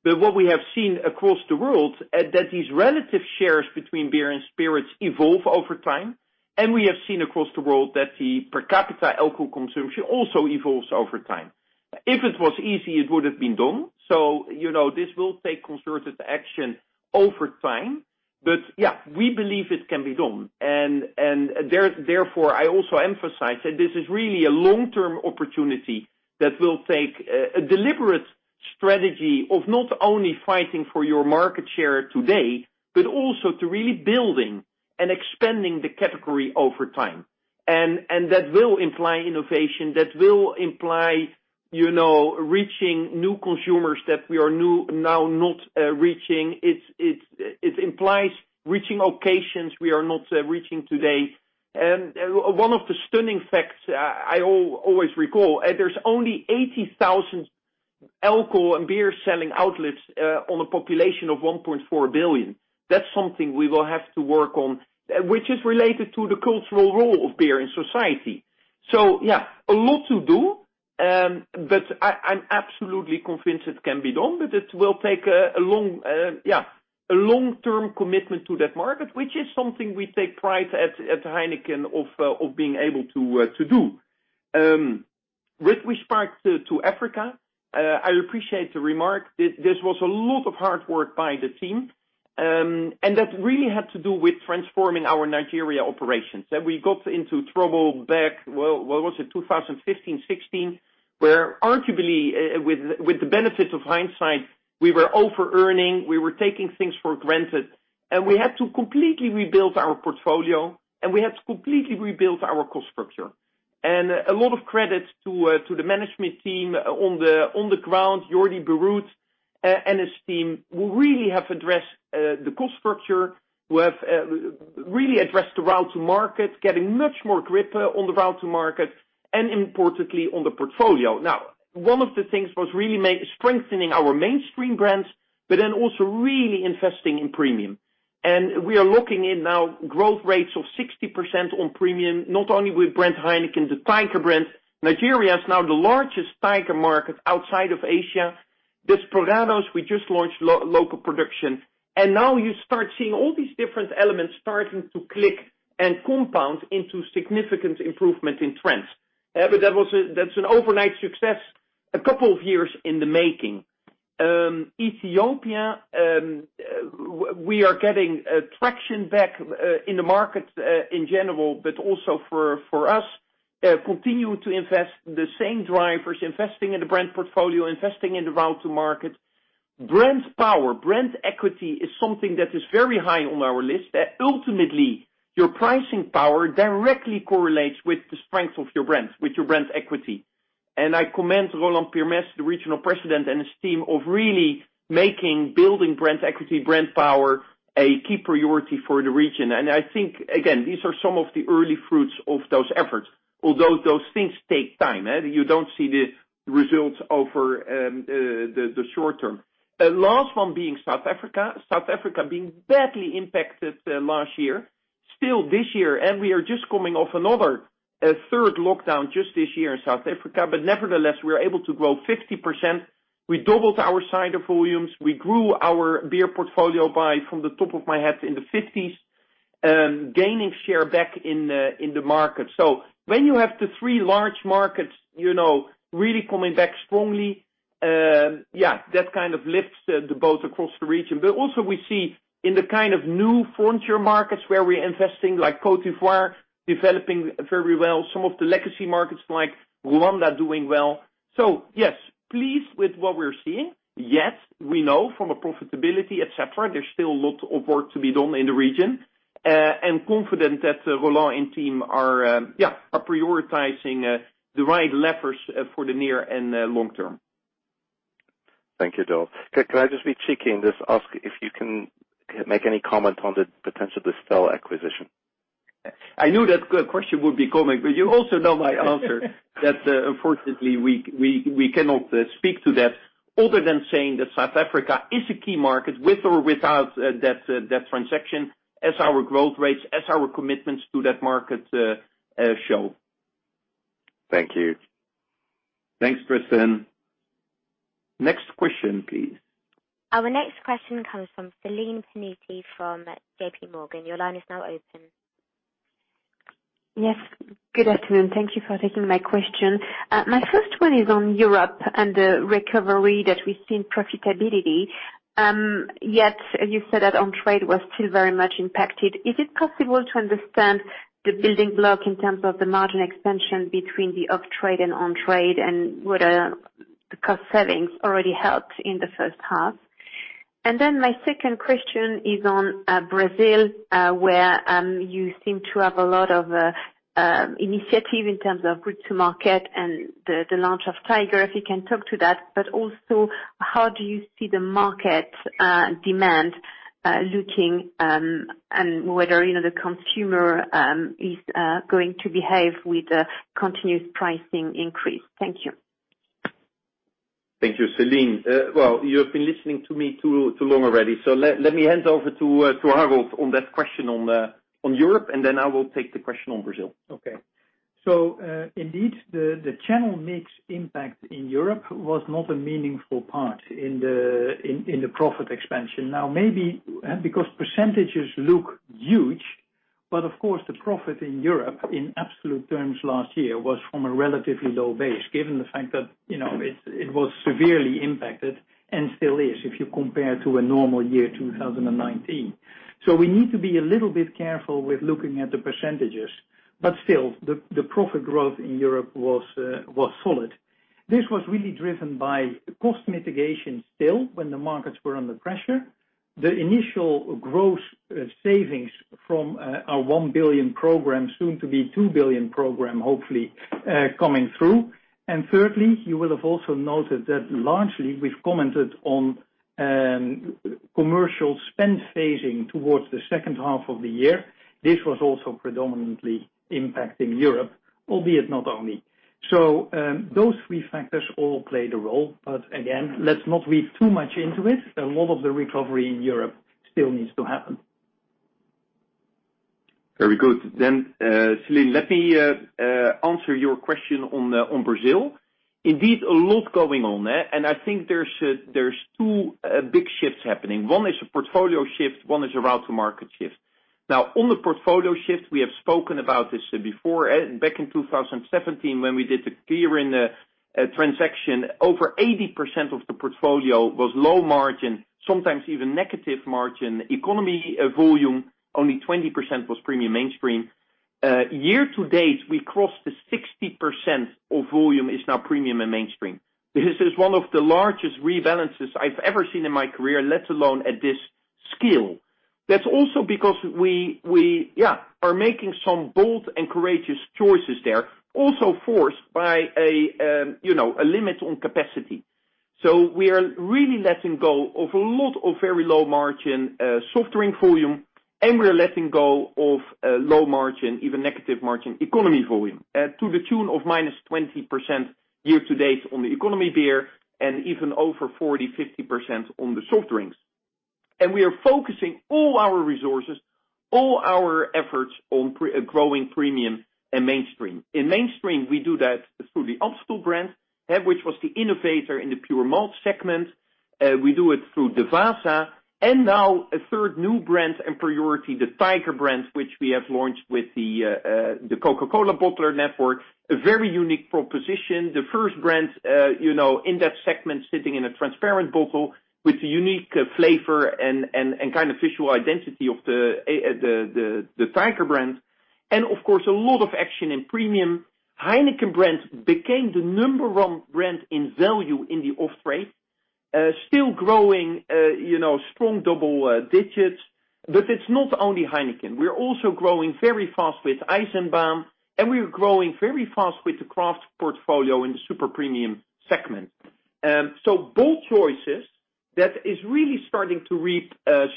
What we have seen across the world, that these relative shares between beer and spirits evolve over time, and we have seen across the world that the per capita alcohol consumption also evolves over time. If it was easy, it would have been done. This will take concerted action over time. Yeah, we believe it can be done. Therefore, I also emphasize that this is really a long-term opportunity that will take a deliberate strategy of not only fighting for your market share today, but also to really building and expanding the category over time. That will imply innovation. That will imply reaching new consumers that we are now not reaching. It implies reaching locations we are not reaching today. One of the stunning facts I always recall, there's only 80,000 alcohol and beer selling outlets on a population of 1.4 billion. That's something we will have to work on, which is related to the cultural role of beer in society. Yeah, a lot to do, but I'm absolutely convinced it can be done, but it will take a long-term commitment to that market, which is something we take pride at Heineken of being able to do. With respect to Africa, I appreciate the remark. This was a lot of hard work by the team, and that really had to do with transforming our Nigeria operations. We got into trouble back, what was it? 2015, 2016, where arguably, with the benefit of hindsight, we were over-earning, we were taking things for granted, and we had to completely rebuild our portfolio, and we had to completely rebuild our cost structure. A lot of credit to the management team on the ground, Jordi Borrut and his team, who really have addressed the cost structure, who have really addressed the route to market, getting much more grip on the route to market, and importantly, on the portfolio. Now, one of the things was really strengthening our mainstream brands, but then also really investing in premium. We are looking in now growth rates of 60% on premium, not only with brand Heineken, the Tiger brand. Nigeria is now the largest Tiger market outside of Asia. The Spritz Aranci, we just launched local production. Now you start seeing all these different elements starting to click and compound into significant improvement in trends. That's an overnight success, a couple of years in the making. Ethiopia, we are getting traction back in the market in general, but also for us, continue to invest in the same drivers, investing in the brand portfolio, investing in the route to market. Brand power, brand equity is something that is very high on our list, that ultimately your pricing power directly correlates with the strength of your brand, with your brand equity. I commend Roland Pirmez, the Regional President, and his team of really making building brand equity, brand power, a key priority for the region. I think, again, these are some of the early fruits of those efforts, although those things take time. You don't see the results over the short term. Last one being South Africa. South Africa being badly impacted last year. Still this year, we are just coming off another, a third lockdown just this year in South Africa. Nevertheless, we are able to grow 50%. We doubled our cider volumes. We grew our beer portfolio by, from the top of my head, in the 50s, gaining share back in the market. When you have the three large markets really coming back strongly, that lifts the boat across the region. Also we see in the new frontier markets where we're investing, like Côte d'Ivoire, developing very well. Some of the legacy markets like Rwanda doing well. Yes, pleased with what we're seeing. We know from a profitability, et cetera, there's still a lot of work to be done in the region, and confident that Roland and team are prioritizing the right levers for the near and long term. Thank you, Dolf. Can I just be cheeky and just ask if you can make any comment on the potential Distell acquisition? I knew that question would be coming, but you also know my answer, that unfortunately, we cannot speak to that other than saying that South Africa is a key market with or without that transaction as our growth rates, as our commitments to that market show. Thank you. Thanks, Tristan. Next question, please. Our next question comes from Céline Pannuti from JPMorgan. Your line is now open. Yes. Good afternoon. Thank you for taking my question. My first one is on Europe and the recovery that we see in profitability. You said that on-trade was still very much impacted. Is it possible to understand the building block in terms of the margin expansion between the off-trade and on-trade, and whether the cost savings already helped in the first half? My second question is on Brazil, where you seem to have a lot of initiative in terms of route to market and the launch of Tiger, if you can talk to that, but also how do you see the market demand looking, and whether the consumer is going to behave with a continuous pricing increase. Thank you. Thank you, Céline. Well, you have been listening to me too long already, so let me hand over to Harold on that question on Europe, and then I will take the question on Brazil. Okay. Indeed the channel mix impact in Europe was not a meaningful part in the profit expansion. Maybe because percentages look huge, of course, the profit in Europe in absolute terms last year was from a relatively low base, given the fact that it was severely impacted and still is if you compare to a normal year, 2019. We need to be a little bit careful with looking at the percentages. Still, the profit growth in Europe was solid. This was really driven by cost mitigation still when the markets were under pressure. The initial gross savings from our 1 billion program, soon to be 2 billion program, hopefully coming through. Thirdly, you will have also noted that largely we've commented on commercial spend phasing towards the second half of the year. This was also predominantly impacting Europe, albeit not only. Those three factors all played a role. Again, let's not read too much into it. A lot of the recovery in Europe still needs to happen. Very good. Céline, let me answer your question on Brazil. Indeed, a lot going on there, and I think there's two big shifts happening. One is a portfolio shift, one is a route to market shift. On the portfolio shift, we have spoken about this before. Back in 2017, when we did the Kirin transaction, over 80% of the portfolio was low margin, sometimes even negative margin economy volume, only 20% was premium mainstream. Year to date, we crossed the 60% of volume is now premium and mainstream. This is one of the largest rebalances I've ever seen in my career, let alone at this scale. That's also because we are making some bold and courageous choices there, also forced by a limit on capacity. We are really letting go of a lot of very low margin soft drink volume, and we are letting go of low margin, even negative margin economy volume to the tune of -20% year-to-date on the economy beer and even over 40%-50% on the soft drinks. We are focusing all our resources, all our efforts on growing premium and mainstream. In mainstream, we do that through the Amstel brand, which was the innovator in the pure malt segment. We do it through Devassa and now a third new brand and priority, the Tiger brand, which we have launched with the Coca-Cola bottler network. A very unique proposition. The first brand in that segment sitting in a transparent bottle with a unique flavor and kind of visual identity of the Tiger brand. Of course, a lot of action in premium. Heineken brands became the number one brand in value in the off-trade. Still growing strong double digits. It's not only Heineken. We're also growing very fast with Eisenbahn, and we're growing very fast with the craft portfolio in the super premium segment. Bold choices that is really starting to reap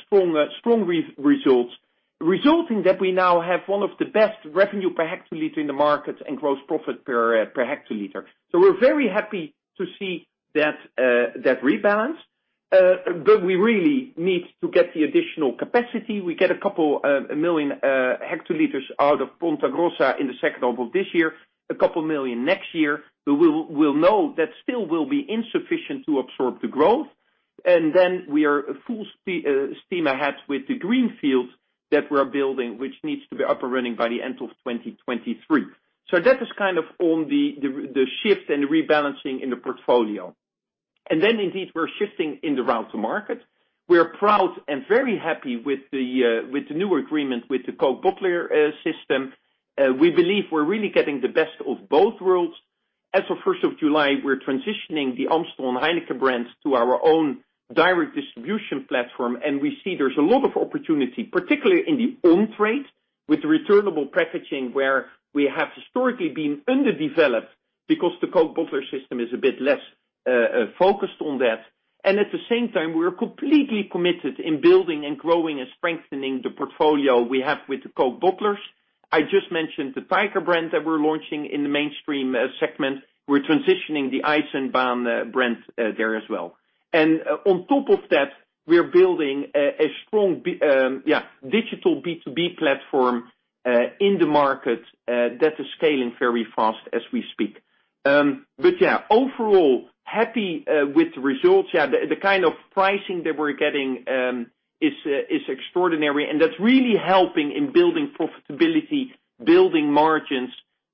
strong results, resulting that we now have one of the best revenue per hectoliter in the market and gross profit per hectoliter. We really need to get the additional capacity. We get a couple a million hectoliters out of Ponta Grossa in the second half of this year, a couple million next year. We'll know that still will be insufficient to absorb the growth. We are full steam ahead with the greenfield that we're building, which needs to be up and running by the end of 2023. That is kind of on the shift and rebalancing in the portfolio. Indeed, we're shifting in the route to market. We're proud and very happy with the new agreement with the Coke bottler system. We believe we're really getting the best of both worlds. As of 1st of July, we're transitioning the Amstel and Heineken brands to our own direct distribution platform, and we see there's a lot of opportunity, particularly in the on-trade with returnable packaging, where we have historically been underdeveloped because the Coke bottler system is a bit less focused on that. At the same time, we're completely committed in building and growing and strengthening the portfolio we have with the Coke bottlers. I just mentioned the Tiger brand that we're launching in the mainstream segment. We're transitioning the Eisenbahn brand there as well. On top of that, we're building a strong digital B2B platform in the market that is scaling very fast as we speak. Yeah, overall happy with the results. The kind of pricing that we're getting is extraordinary, and that's really helping in building profitability, building margins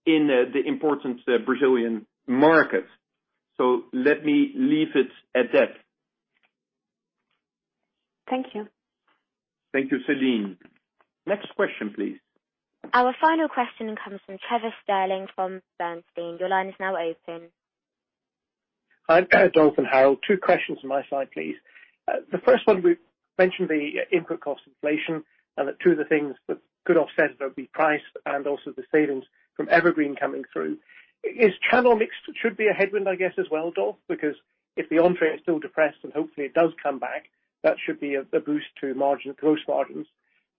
in the important Brazilian market. Let me leave it at that. Thank you. Thank you, Céline. Next question, please. Our final question comes from Trevor Stirling from Bernstein. Your line is now open. Hi, Dolf and Harold. Two questions on my side, please. The first one, we've mentioned the input cost inflation and that two of the things that could offset that would be price and also the savings from EverGreen coming through. Is channel mix should be a headwind, I guess, as well, Dolf? Because if the on-trade is still depressed and hopefully it does come back, that should be a boost to gross margins.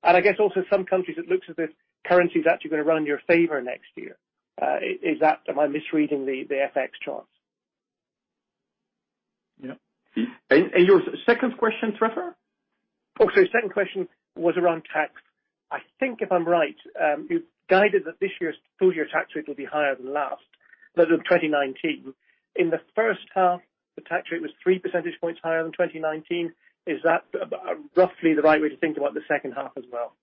I guess also some countries it looks as if currency is actually going to run in your favor next year. Am I misreading the FX charts? Yeah. Your second question, Trevor? Okay. Second question was around tax. I think if I'm right, you've guided that this year's full year tax rate will be higher than last, that of 2019. In the first half, the tax rate was three percentage points higher than 2019. Is that roughly the right way to think about the second half as well?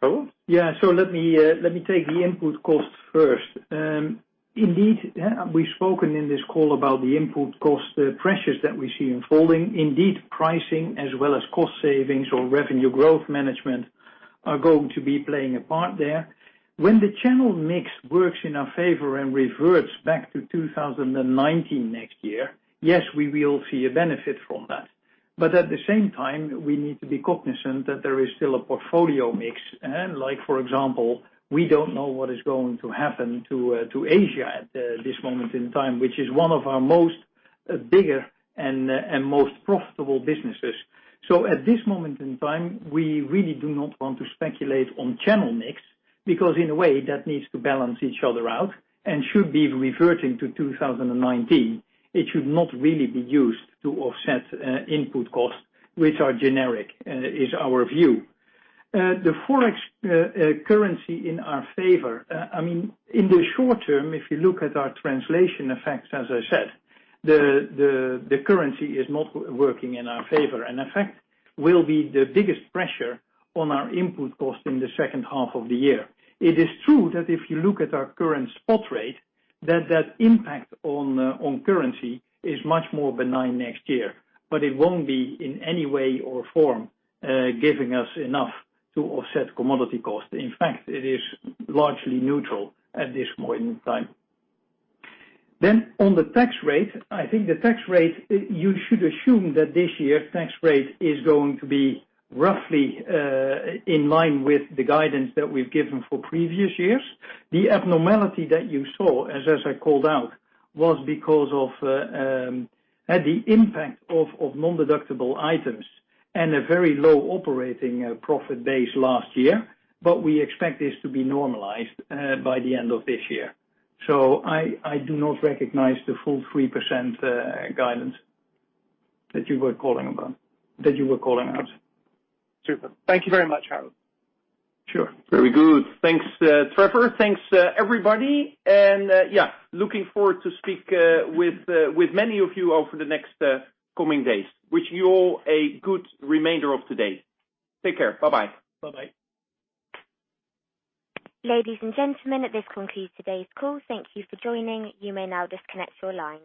Harold? Yeah. Let me take the input cost first. We've spoken in this call about the input cost, the pressures that we see unfolding. Pricing as well as cost savings or revenue growth management are going to be playing a part there. When the channel mix works in our favor and reverts back to 2019 next year, yes, we will see a benefit from that. At the same time, we need to be cognizant that there is still a portfolio mix. Like, for example, we don't know what is going to happen to Asia at this moment in time, which is one of our most bigger and most profitable businesses. At this moment in time, we really do not want to speculate on channel mix, because in a way, that needs to balance each other out and should be reverting to 2019. It should not really be used to offset input cost, which are generic, is our view. The Forex currency in our favor. In the short term, if you look at our translation effects, as I said, the currency is not working in our favor, and in fact, will be the biggest pressure on our input cost in the second half of the year. It is true that if you look at our current spot rate, that that impact on currency is much more benign next year, but it won't be in any way or form, giving us enough to offset commodity cost. In fact, it is largely neutral at this point in time. On the tax rate, I think the tax rate, you should assume that this year's tax rate is going to be roughly in line with the guidance that we've given for previous years. The abnormality that you saw, as I said, called out, was because of the impact of non-deductible items and a very low operating profit base last year. We expect this to be normalized by the end of this year. I do not recognize the full 3% guidance that you were calling out. Super. Thank you very much, Harold. Sure. Very good. Thanks, Trevor. Thanks, everybody. Yeah, looking forward to speak with many of you over the next coming days. Wish you all a good remainder of today. Take care. Bye-bye. Bye-bye. Ladies and gentlemen, this concludes today's call. Thank you for joining. You may now disconnect your lines.